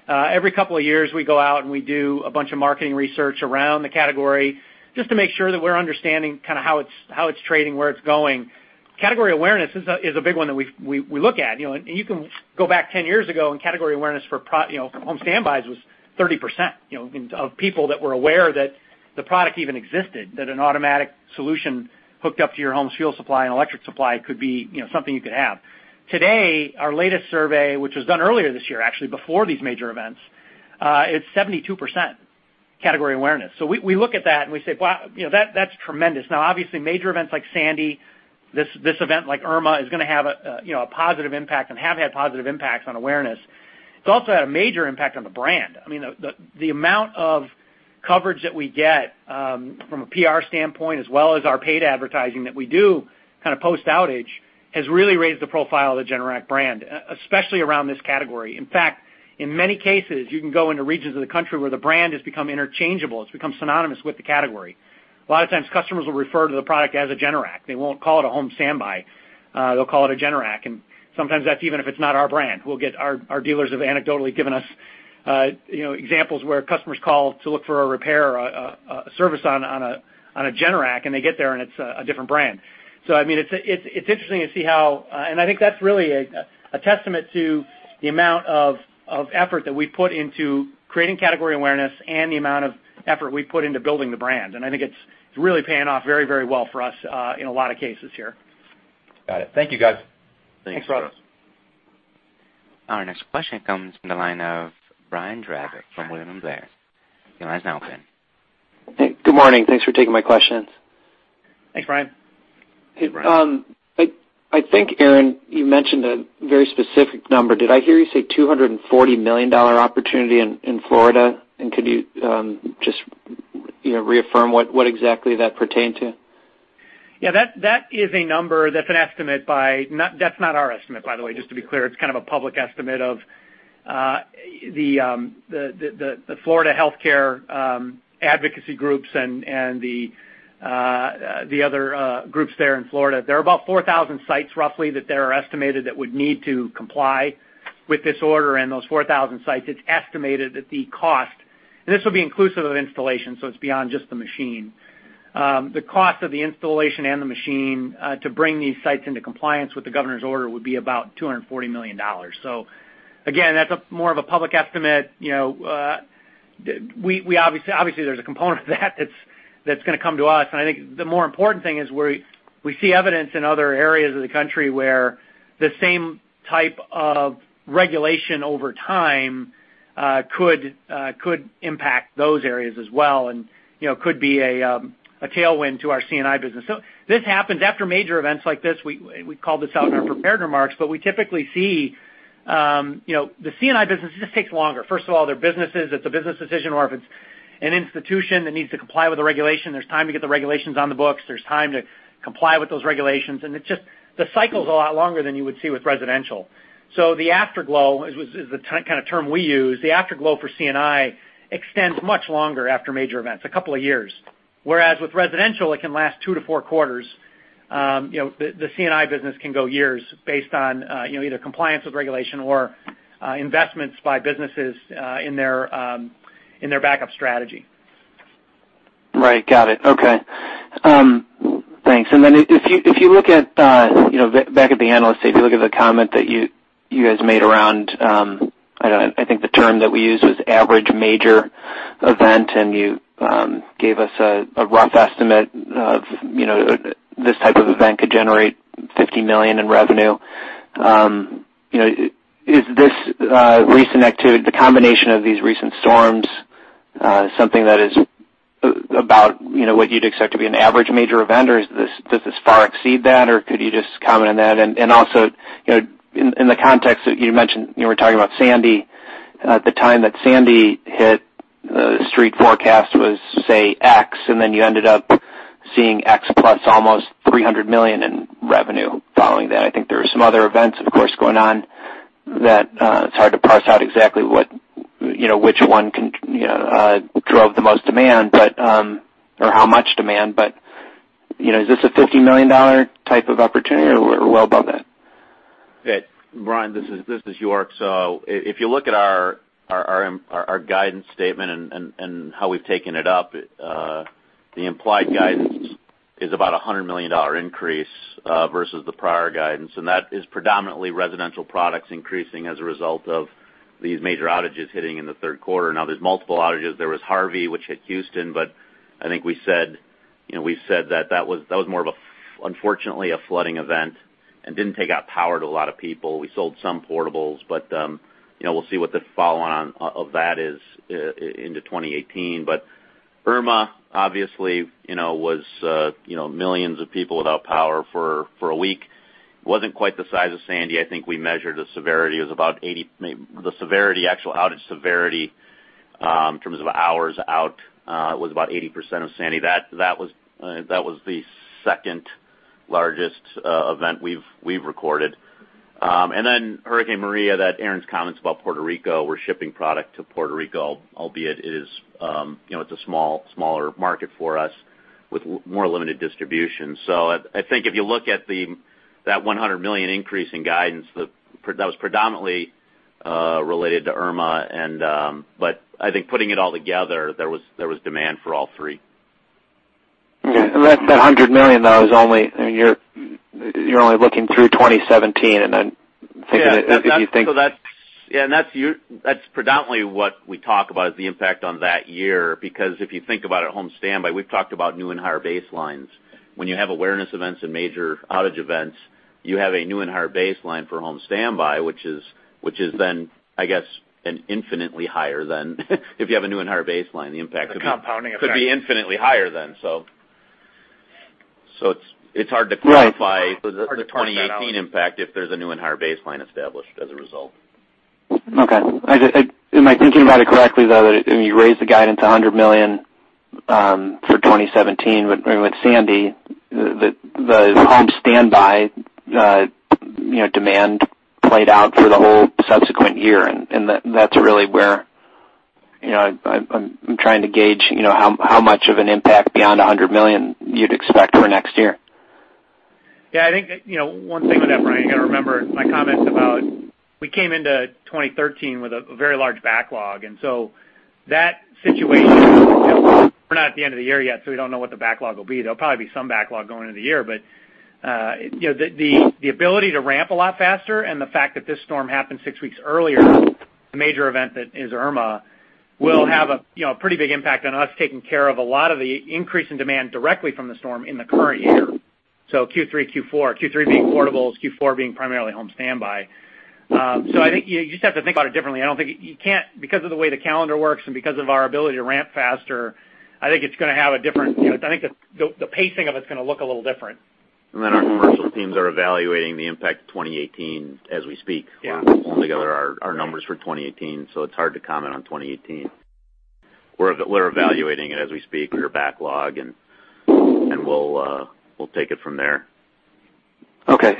every couple of years, we go out and we do a bunch of marketing research around the category just to make sure that we're understanding how it's trading, where it's going. Category awareness is a big one that we look at. You can go back 10 years ago, and category awareness for home standbys was 30% of people that were aware that the product even existed, that an automatic solution hooked up to your home's fuel supply and electric supply could be something you could have. Today, our latest survey, which was done earlier this year, actually, before these major events, it's 72% category awareness. We look at that and we say, wow, that's tremendous. Now, obviously, major events like Sandy, this event like Irma, is going to have a positive impact and have had positive impacts on awareness. It's also had a major impact on the brand. The amount of coverage that we get from a PR standpoint, as well as our paid advertising that we do post-outage, has really raised the profile of the Generac brand, especially around this category. In fact, in many cases, you can go into regions of the country where the brand has become interchangeable. It's become synonymous with the category. A lot of times, customers will refer to the product as a Generac. They won't call it a home standby. They'll call it a Generac. Sometimes that's even if it's not our brand. Our dealers have anecdotally given us examples where customers call to look for a repair or a service on a Generac, and they get there and it's a different brand. It's interesting to see how, and I think that's really a testament to the amount of effort that we put into creating category awareness and the amount of effort we put into building the brand. I think it's really paying off very well for us in a lot of cases here. Got it. Thank you, guys. Thanks. Thanks, Ross. Our next question comes from the line of Brian Drab from William Blair. Your line is now open. Good morning. Thanks for taking my questions. Thanks, Brian. Hey, Brian. I think, Aaron, you mentioned a very specific number. Did I hear you say $240 million opportunity in Florida? Could you just reaffirm what exactly that pertained to? Yeah, that is a number that's not our estimate, by the way, just to be clear. It's a public estimate of the Florida healthcare advocacy groups and the other groups there in Florida. There are about 4,000 sites, roughly, that they are estimated that would need to comply with this order. Those 4,000 sites, it's estimated that the cost, and this will be inclusive of installation, so it's beyond just the machine. The cost of the installation and the machine to bring these sites into compliance with the governor's order would be about $240 million. Again, that's more of a public estimate. Obviously, there's a component of that that's going to come to us, and I think the more important thing is we see evidence in other areas of the country where the same type of regulation over time could impact those areas as well and could be a tailwind to our C&I business. This happens after major events like this. We called this out in our prepared remarks, but we typically see the C&I business just takes longer. First of all, they're businesses. It's a business decision. If it's an institution that needs to comply with the regulation, there's time to get the regulations on the books. There's time to comply with those regulations, and the cycle's a lot longer than you would see with residential. The afterglow is the term we use. The afterglow for C&I extends much longer after major events, a couple of years. Whereas with residential, it can last two to four quarters. The C&I business can go years based on either compliance with regulation or investments by businesses in their backup strategy. Right. Got it. Okay. Thanks. If you look back at the analyst, if you look at the comment that you guys made around, I think the term that we used was average major event, and you gave us a rough estimate of this type of event could generate $50 million in revenue. Is this recent activity, the combination of these recent storms, something that is about what you'd expect to be an average major event, or does this far exceed that, or could you just comment on that? Also, in the context that you mentioned, you were talking about Sandy. At the time that Sandy hit, the street forecast was, say, X, then you ended up seeing X plus almost $300 million in revenue following that. I think there were some other events, of course, going on that it's hard to parse out exactly which one drove the most demand or how much demand. Is this a $50 million type of opportunity or well above that? Brian, this is York. If you look at our guidance statement and how we've taken it up. The implied guidance is about a $100 million increase versus the prior guidance, and that is predominantly residential products increasing as a result of these major outages hitting in the third quarter. There's multiple outages. There was Harvey, which hit Houston, but I think we said that was more of, unfortunately, a flooding event and didn't take out power to a lot of people. We sold some portables, but we'll see what the follow-on of that is into 2018. Irma, obviously, was millions of people without power for a week. Wasn't quite the size of Sandy. I think we measured the severity, actual outage severity in terms of hours out, it was about 80% of Sandy. That was the second-largest event we've recorded. Hurricane Maria, Aaron's comments about Puerto Rico, we're shipping product to Puerto Rico, albeit it is a smaller market for us with more limited distribution. I think if you look at that $100 million increase in guidance, that was predominantly related to Irma. I think putting it all together, there was demand for all three. Yeah. That $100 million, you're only looking through 2017, if you think. Yeah, that's predominantly what we talk about is the impact on that year, because if you think about it, home standby, we've talked about new and higher baselines. When you have awareness events and major outage events, you have a new and higher baseline for home standby, which is then, I guess, an infinitely higher than if you have a new and higher baseline, the impact could- The compounding effect. -could be infinitely higher then. It's hard to quantify. Right. It's hard to point that out. The 2018 impact if there's a new and higher baseline established as a result. Okay. Am I thinking about it correctly, though, that you raised the guidance $100 million for 2017 with Sandy, the home standby demand played out for the whole subsequent year, and that's really where I'm trying to gauge how much of an impact beyond $100 million you'd expect for next year. Yeah, I think one thing with that, Brian, you got to remember my comments about, we came into 2013 with a very large backlog. That situation, we're not at the end of the year yet, so we don't know what the backlog will be, there'll probably be some backlog going into the year. The ability to ramp a lot faster and the fact that this storm happened six weeks earlier, the major event that is Irma, will have a pretty big impact on us taking care of a lot of the increase in demand directly from the storm in the current year. Q3, Q4. Q3 being portables, Q4 being primarily home standby. I think you just have to think about it differently. Because of the way the calendar works and because of our ability to ramp faster, I think the pacing of it's going to look a little different. Our commercial teams are evaluating the impact of 2018 as we speak. Yeah. We're pulling together our numbers for 2018, it's hard to comment on 2018. We're evaluating it as we speak, your backlog, we'll take it from there. Okay.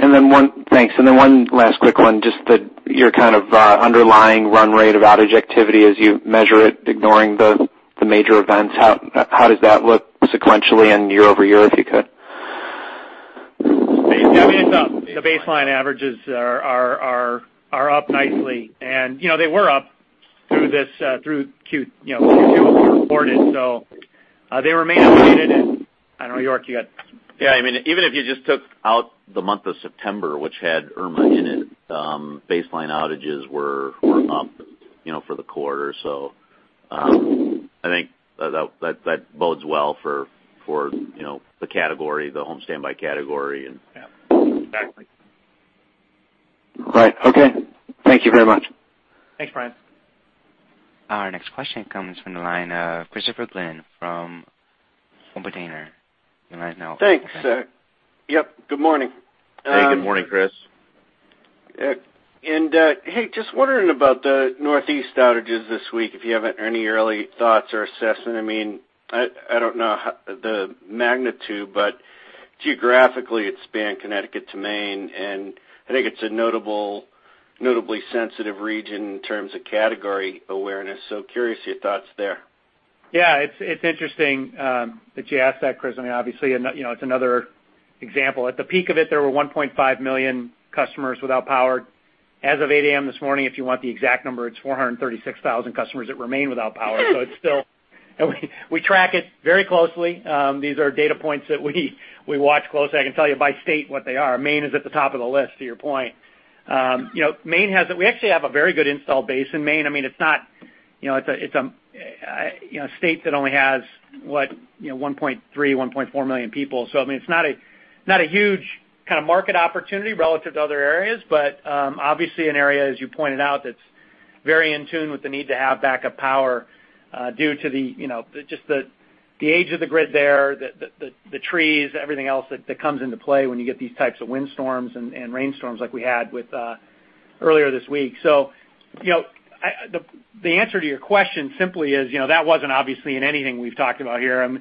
Thanks. One last quick one, just your kind of underlying run rate of outage activity as you measure it, ignoring the major events, how does that look sequentially and year-over-year, if you could? Yeah. I mean, it's up. The baseline averages are up nicely. They were up through Q2 when we reported. They remain elevated and I don't know, York, you got? Yeah. Even if you just took out the month of September, which had Irma in it, baseline outages were up for the quarter. I think that bodes well for the category, the home standby category. Yeah, exactly. Right. Okay. Thank you very much. Thanks, Brian. Our next question comes from the line of Christopher Glynn from Oppenheimer. The line's now open. Thanks. Yep, good morning. Hey, good morning, Chris. Hey, just wondering about the Northeast outages this week, if you have any early thoughts or assessment. I don't know the magnitude, but geographically it spanned Connecticut to Maine. I think it's a notably sensitive region in terms of category awareness. Curious your thoughts there. Yeah, it's interesting that you ask that, Chris. Obviously, it's another example. At the peak of it, there were 1.5 million customers without power. As of 8:00 A.M. this morning, if you want the exact number, it's 436,000 customers that remain without power. We track it very closely. These are data points that we watch closely. I can tell you by state what they are. Maine is at the top of the list, to your point. We actually have a very good install base in Maine. It's a state that only has, what, 1.3 million, 1.4 million people. It's not a huge kind of market opportunity relative to other areas, obviously an area, as you pointed out, that's very in tune with the need to have backup power due to just the age of the grid there, the trees, everything else that comes into play when you get these types of windstorms and rainstorms like we had earlier this week. The answer to your question simply is, that wasn't obviously in anything we've talked about here.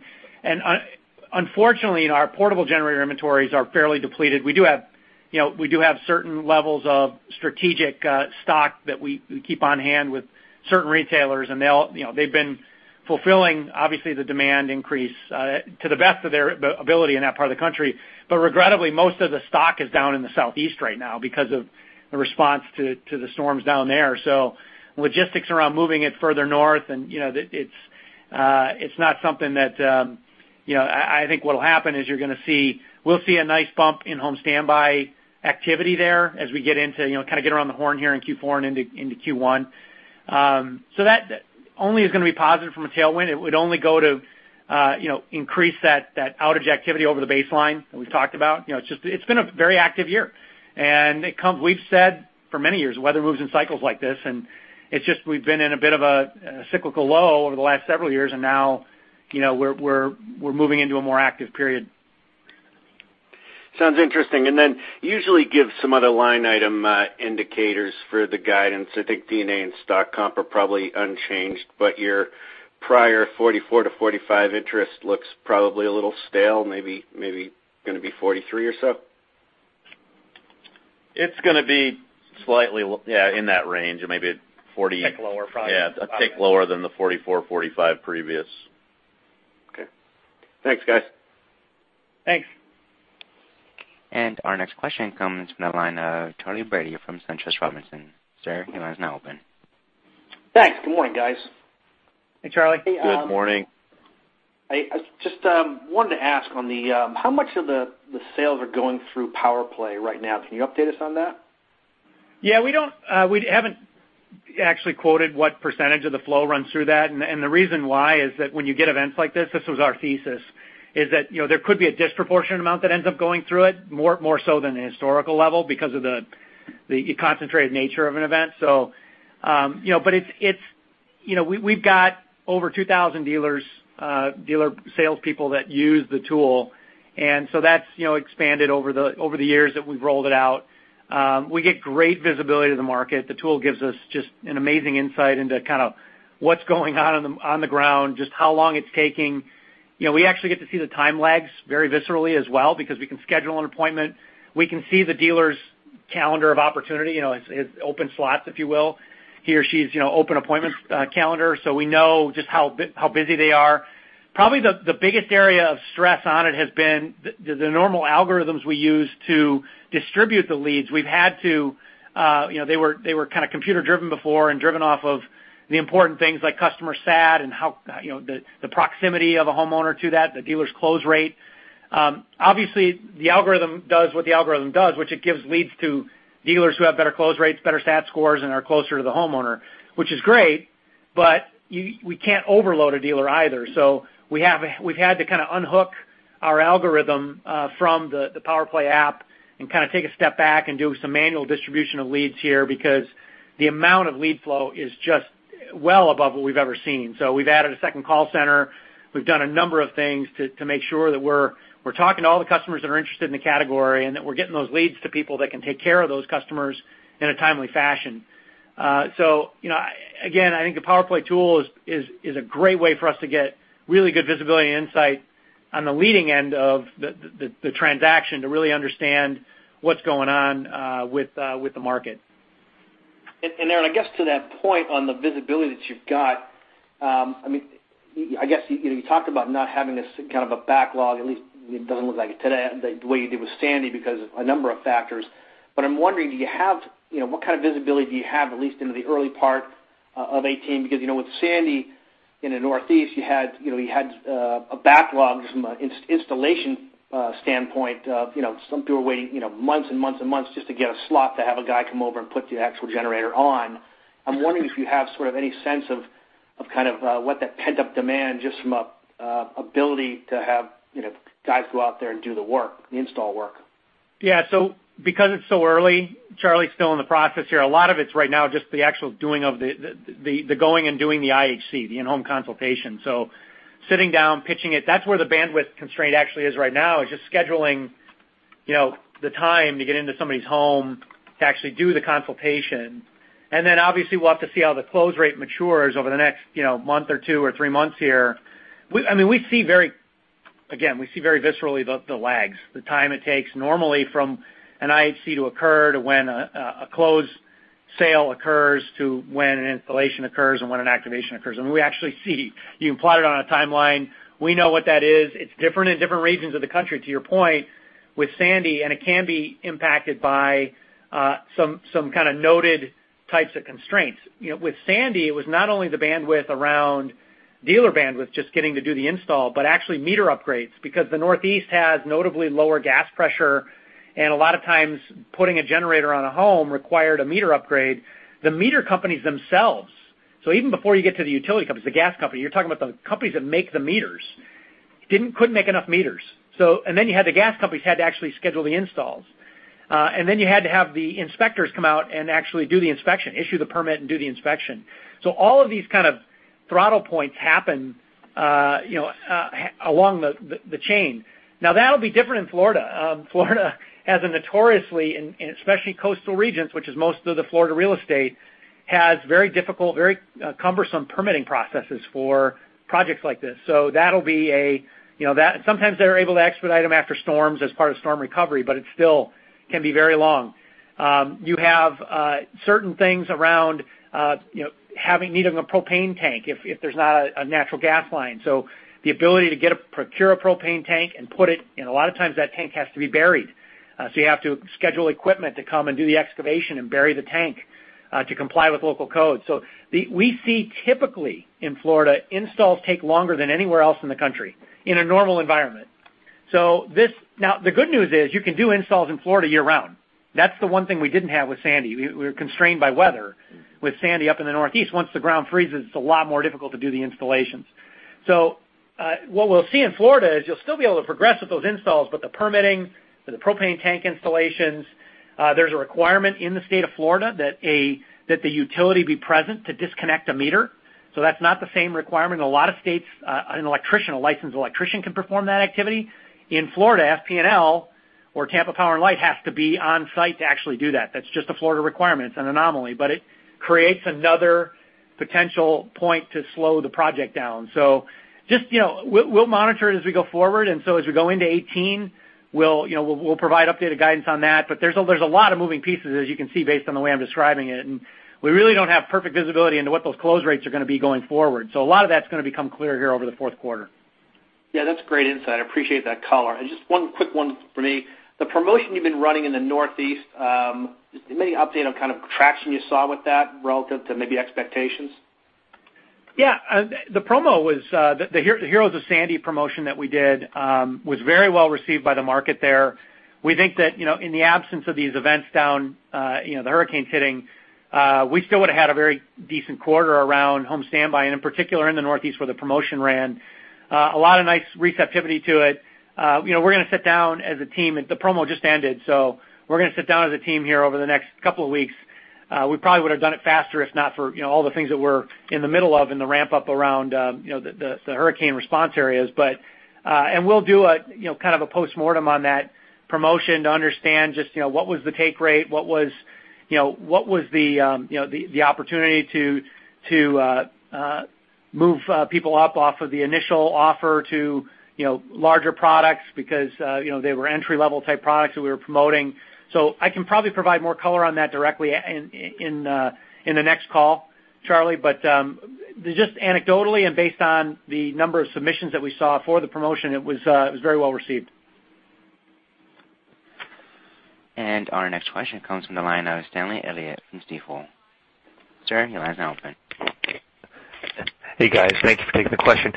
Unfortunately, our portable generator inventories are fairly depleted. We do have certain levels of strategic stock that we keep on hand with certain retailers, and they've been fulfilling, obviously, the demand increase to the best of their ability in that part of the country. Regrettably, most of the stock is down in the Southeast right now because of the response to the storms down there. Logistics around moving it further north, I think what'll happen is we'll see a nice bump in home standby activity there as we get around the horn here in Q4 and into Q1. That only is going to be positive from a tailwind. It would only go to increase that outage activity over the baseline that we've talked about. It's been a very active year, and we've said for many years, weather moves in cycles like this, and it's just we've been in a bit of a cyclical low over the last several years, and now we're moving into a more active period. Sounds interesting. Then usually give some other line item indicators for the guidance. I think D&A and stock comp are probably unchanged, your prior $44 million-$45 million interest looks probably a little stale, maybe going to be $43 million or so? It's going to be slightly, yeah, in that range. Maybe at $40 million. A tick lower, probably. Yeah. A tick lower than the $44 million, $45 million previous. Okay. Thanks, guys. Thanks. Our next question comes from the line of Charley Brady from SunTrust Robinson. Sir, your line is now open. Thanks. Good morning, guys. Hey, Charley. Good morning. I just wanted to ask, how much of the sales are going through PowerPlay right now? Can you update us on that? Yeah, we haven't actually quoted what percentage of the flow runs through that. The reason why is that when you get events like this was our thesis, is that there could be a disproportionate amount that ends up going through it, more so than a historical level because of the concentrated nature of an event. We've got over 2,000 dealer salespeople that use the tool. That's expanded over the years that we've rolled it out. We get great visibility to the market. The tool gives us just an amazing insight into what's going on on the ground, just how long it's taking. We actually get to see the time lags very viscerally as well because we can schedule an appointment. We can see the dealer's calendar of opportunity, its open slots, if you will, he or she's open appointments calendar. We know just how busy they are. Probably the biggest area of stress on it has been the normal algorithms we use to distribute the leads. They were kind of computer-driven before, driven off of the important things like customer sat and the proximity of a homeowner to that, the dealer's close rate. Obviously, the algorithm does what the algorithm does, which it gives leads to dealers who have better close rates, better sat scores, and are closer to the homeowner, which is great. We can't overload a dealer either. We've had to unhook our algorithm from the PowerPlay app and take a step back and do some manual distribution of leads here because the amount of lead flow is just well above what we've ever seen. We've added a second call center. We've done a number of things to make sure that we're talking to all the customers that are interested in the category and that we're getting those leads to people that can take care of those customers in a timely fashion. Again, I think the PowerPlay tool is a great way for us to get really good visibility and insight on the leading end of the transaction to really understand what's going on with the market. Aaron, I guess to that point on the visibility that you've got, you talked about not having as kind of a backlog, at least it doesn't look like it today, the way you did with Sandy because of a number of factors. I'm wondering, what kind of visibility do you have, at least into the early part of 2018? Because with Sandy in the Northeast, you had a backlog just from an installation standpoint of some people waiting months and months and months just to get a slot to have a guy come over and put the actual generator on. I'm wondering if you have sort of any sense of what that pent-up demand, just from a ability to have guys go out there and do the work, the install work. Because it's so early, Charley, still in the process here, a lot of it's right now just the actual going and doing the IHC, the in-home consultation. Sitting down, pitching it, that's where the bandwidth constraint actually is right now, is just scheduling the time to get into somebody's home to actually do the consultation. Obviously, we'll have to see how the close rate matures over the next month or two or three months here. Again, we see very viscerally the lags, the time it takes normally from an IHC to occur to when a closed sale occurs, to when an installation occurs and when an activation occurs. We actually see, you plot it on a timeline. We know what that is. It's different in different regions of the country, to your point with Sandy. It can be impacted by some kind of noted types of constraints. With Sandy, it was not only the bandwidth around dealer bandwidth, just getting to do the install, but actually meter upgrades, because the Northeast has notably lower gas pressure, and a lot of times, putting a generator on a home required a meter upgrade. The meter companies themselves, even before you get to the utility companies, the gas company, you're talking about the companies that make the meters, couldn't make enough meters. You had the gas companies had to actually schedule the installs. You had to have the inspectors come out and actually do the inspection, issue the permit and do the inspection. All of these kind of throttle points happen along the chain. That'll be different in Florida. Florida has a notoriously, especially coastal regions, which is most of the Florida real estate, has very difficult, very cumbersome permitting processes for projects like this. Sometimes they're able to expedite them after storms as part of storm recovery, but it still can be very long. You have certain things around needing a propane tank if there's not a natural gas line. The ability to procure a propane tank and put it, a lot of times that tank has to be buried. You have to schedule equipment to come and do the excavation and bury the tank to comply with local codes. We see typically in Florida, installs take longer than anywhere else in the country in a normal environment. The good news is you can do installs in Florida year-round. That's the one thing we didn't have with Sandy. We were constrained by weather with Sandy up in the Northeast. Once the ground freezes, it's a lot more difficult to do the installations. What we'll see in Florida is you'll still be able to progress with those installs, the permitting for the propane tank installations, there's a requirement in the state of Florida that the utility be present to disconnect a meter. That's not the same requirement. A lot of states, an electrician, a licensed electrician, can perform that activity. In Florida, FPL or Tampa Electric, has to be on-site to actually do that. That's just a Florida requirement. It's an anomaly, but it creates another potential point to slow the project down. We'll monitor it as we go forward, as we go into 2018, we'll provide updated guidance on that. There's a lot of moving pieces as you can see, based on the way I'm describing it, and we really don't have perfect visibility into what those close rates are going to be going forward. A lot of that's going to become clear here over the fourth quarter. Yeah, that's great insight. I appreciate that color. Just one quick one for me. The promotion you've been running in the Northeast, maybe an update on kind of traction you saw with that relative to maybe expectations. Yeah. The promo was the Heroes of Sandy promotion that we did was very well received by the market there. We think that in the absence of these events down, the hurricanes hitting, we still would've had a very decent quarter around home standby, and in particular in the Northeast where the promotion ran. A lot of nice receptivity to it. We're going to sit down as a team. The promo just ended, we're going to sit down as a team here over the next couple of weeks. We probably would've done it faster if not for all the things that we're in the middle of in the ramp up around the hurricane response areas. We'll do a kind of a postmortem on that promotion to understand just what was the take rate, what was the opportunity to move people up off of the initial offer to larger products because they were entry-level type products that we were promoting. I can probably provide more color on that directly in the next call, Charley. Just anecdotally and based on the number of submissions that we saw for the promotion, it was very well received. Our next question comes from the line of Stanley Elliott from Stifel. Sir, your line is now open. Hey, guys. Thank you for taking the question.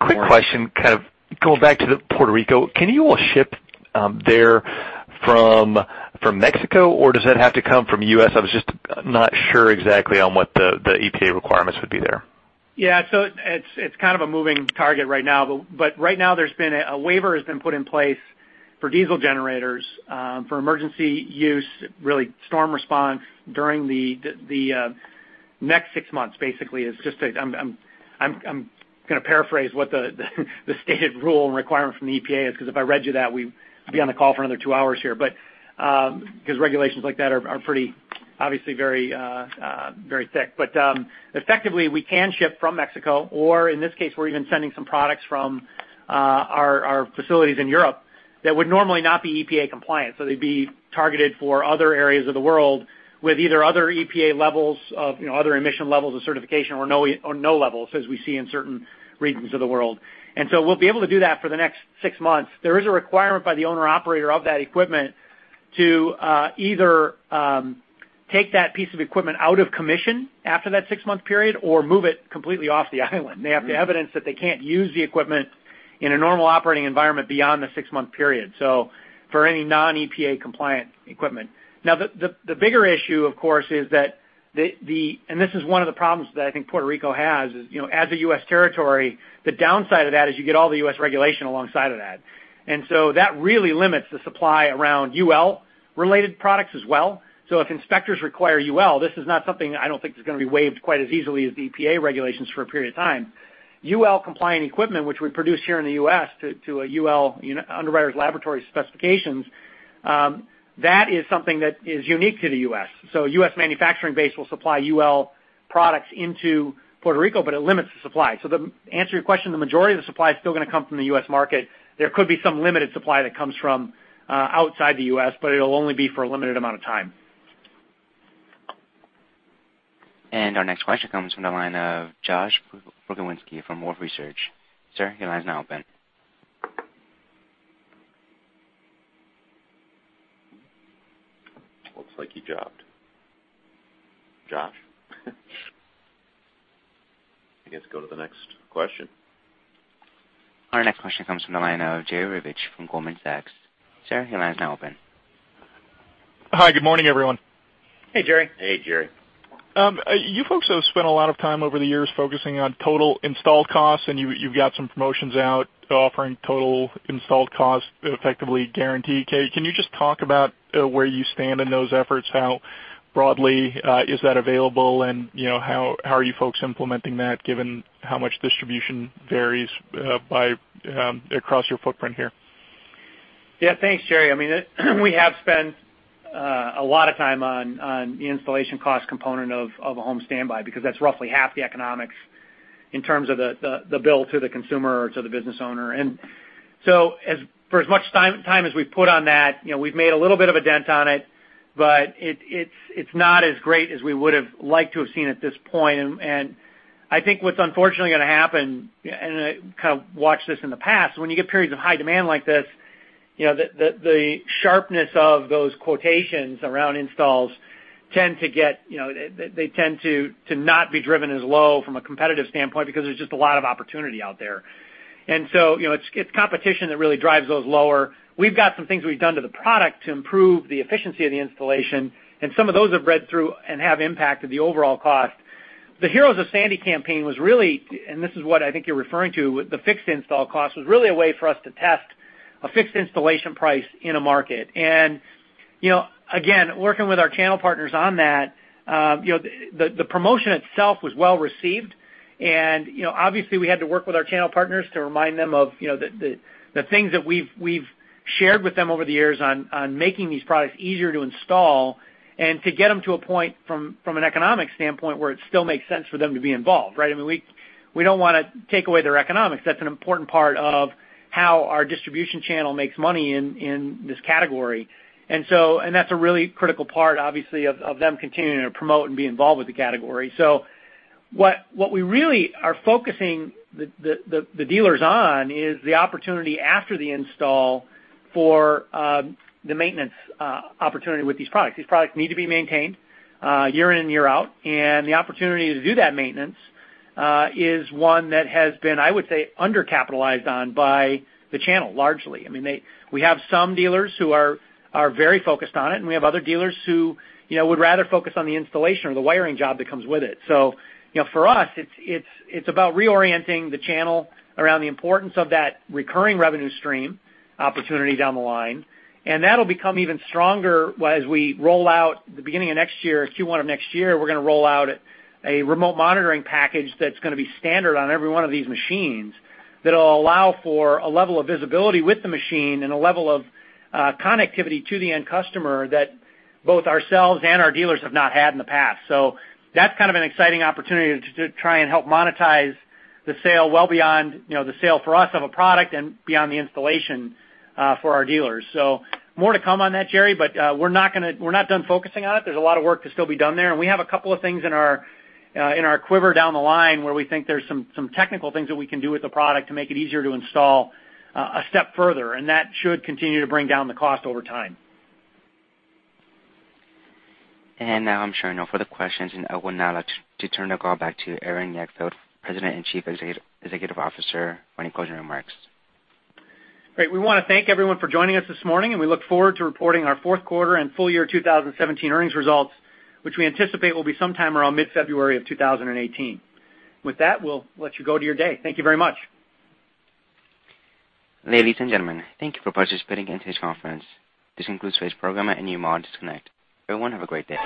Quick question, kind of going back to Puerto Rico, can you all ship there from Mexico, or does that have to come from the U.S.? I was just not sure exactly on what the EPA requirements would be there. Yeah. It's kind of a moving target right now, but right now a waiver has been put in place for diesel generators for emergency use, really storm response during the next six months, basically. I'm going to paraphrase what the stated rule and requirement from the EPA is, because if I read you that, we'd be on the call for another two hours here, because regulations like that are obviously very thick. Effectively, we can ship from Mexico, or in this case, we're even sending some products from our facilities in Europe that would normally not be EPA compliant. They'd be targeted for other areas of the world with either other EPA levels of other emission levels of certification or no levels, as we see in certain regions of the world. We'll be able to do that for the next six months. There is a requirement by the owner-operator of that equipment to either take that piece of equipment out of commission after that six-month period or move it completely off the island. They have to evidence that they can't use the equipment in a normal operating environment beyond the six-month period. For any non-EPA compliant equipment. Now, the bigger issue, of course, and this is one of the problems that I think Puerto Rico has, is as a U.S. territory, the downside of that is you get all the U.S. regulation alongside of that. That really limits the supply around UL-related products as well. If inspectors require UL, this is not something I don't think is going to be waived quite as easily as the EPA regulations for a period of time. UL compliant equipment, which we produce here in the U.S. to UL, Underwriters Laboratories specifications, that is something that is unique to the U.S. U.S. manufacturing base will supply UL products into Puerto Rico, but it limits the supply. To answer your question, the majority of the supply is still going to come from the U.S. market. There could be some limited supply that comes from outside the U.S., but it'll only be for a limited amount of time. Our next question comes from the line of Josh Pokrzywinski from Wolfe Research. Sir, your line is now open. Looks like he dropped. Josh? I guess go to the next question. Our next question comes from the line of Jerry Revich from Goldman Sachs. Sir, your line is now open. Hi. Good morning, everyone. Hey, Jerry. Hey, Jerry. You folks have spent a lot of time over the years focusing on total installed costs, and you've got some promotions out offering total installed cost effectively guaranteed. Can you just talk about where you stand in those efforts? How broadly is that available, and how are you folks implementing that given how much distribution varies across your footprint here? Thanks, Jerry. We have spent a lot of time on the installation cost component of a home standby because that's roughly half the economics in terms of the bill to the consumer or to the business owner. For as much time as we've put on that, we've made a little bit of a dent on it, but it's not as great as we would've liked to have seen at this point. I think what's unfortunately going to happen, and I kind of watched this in the past, when you get periods of high demand like this, the sharpness of those quotations around installs tend to not be driven as low from a competitive standpoint because there's just a lot of opportunity out there. It's competition that really drives those lower. We've got some things we've done to the product to improve the efficiency of the installation, and some of those have read through and have impacted the overall cost. The Heroes of Sandy campaign was really, and this is what I think you're referring to, the fixed install cost, was really a way for us to test a fixed installation price in a market. Again, working with our channel partners on that, the promotion itself was well-received. Obviously we had to work with our channel partners to remind them of the things that we've shared with them over the years on making these products easier to install and to get them to a point from an economic standpoint where it still makes sense for them to be involved, right? I mean, we don't want to take away their economics. That's an important part of how our distribution channel makes money in this category. That's a really critical part, obviously, of them continuing to promote and be involved with the category. What we really are focusing the dealers on is the opportunity after the install for the maintenance opportunity with these products. These products need to be maintained year in and year out. The opportunity to do that maintenance is one that has been, I would say, undercapitalized on by the channel largely. I mean, we have some dealers who are very focused on it, and we have other dealers who would rather focus on the installation or the wiring job that comes with it. For us, it's about reorienting the channel around the importance of that recurring revenue stream opportunity down the line. That'll become even stronger as we roll out the beginning of next year, Q1 of next year, we're going to roll out a remote monitoring package that's going to be standard on every one of these machines that'll allow for a level of visibility with the machine and a level of connectivity to the end customer that both ourselves and our dealers have not had in the past. That's kind of an exciting opportunity to try and help monetize the sale well beyond the sale for us of a product and beyond the installation for our dealers. More to come on that, Jerry, but we're not done focusing on it. There's a lot of work to still be done there. We have a couple of things in our quiver down the line where we think there's some technical things that we can do with the product to make it easier to install a step further. That should continue to bring down the cost over time. Now I'm showing no further questions. I would now like to turn the call back to Aaron Jagdfeld, President and Chief Executive Officer for any closing remarks. Great. We want to thank everyone for joining us this morning, and we look forward to reporting our fourth quarter and full year 2017 earnings results, which we anticipate will be sometime around mid-February of 2018. With that, we'll let you go to your day. Thank you very much. Ladies and gentlemen, thank you for participating in today's conference. This concludes today's program. You may disconnect. Everyone have a great day.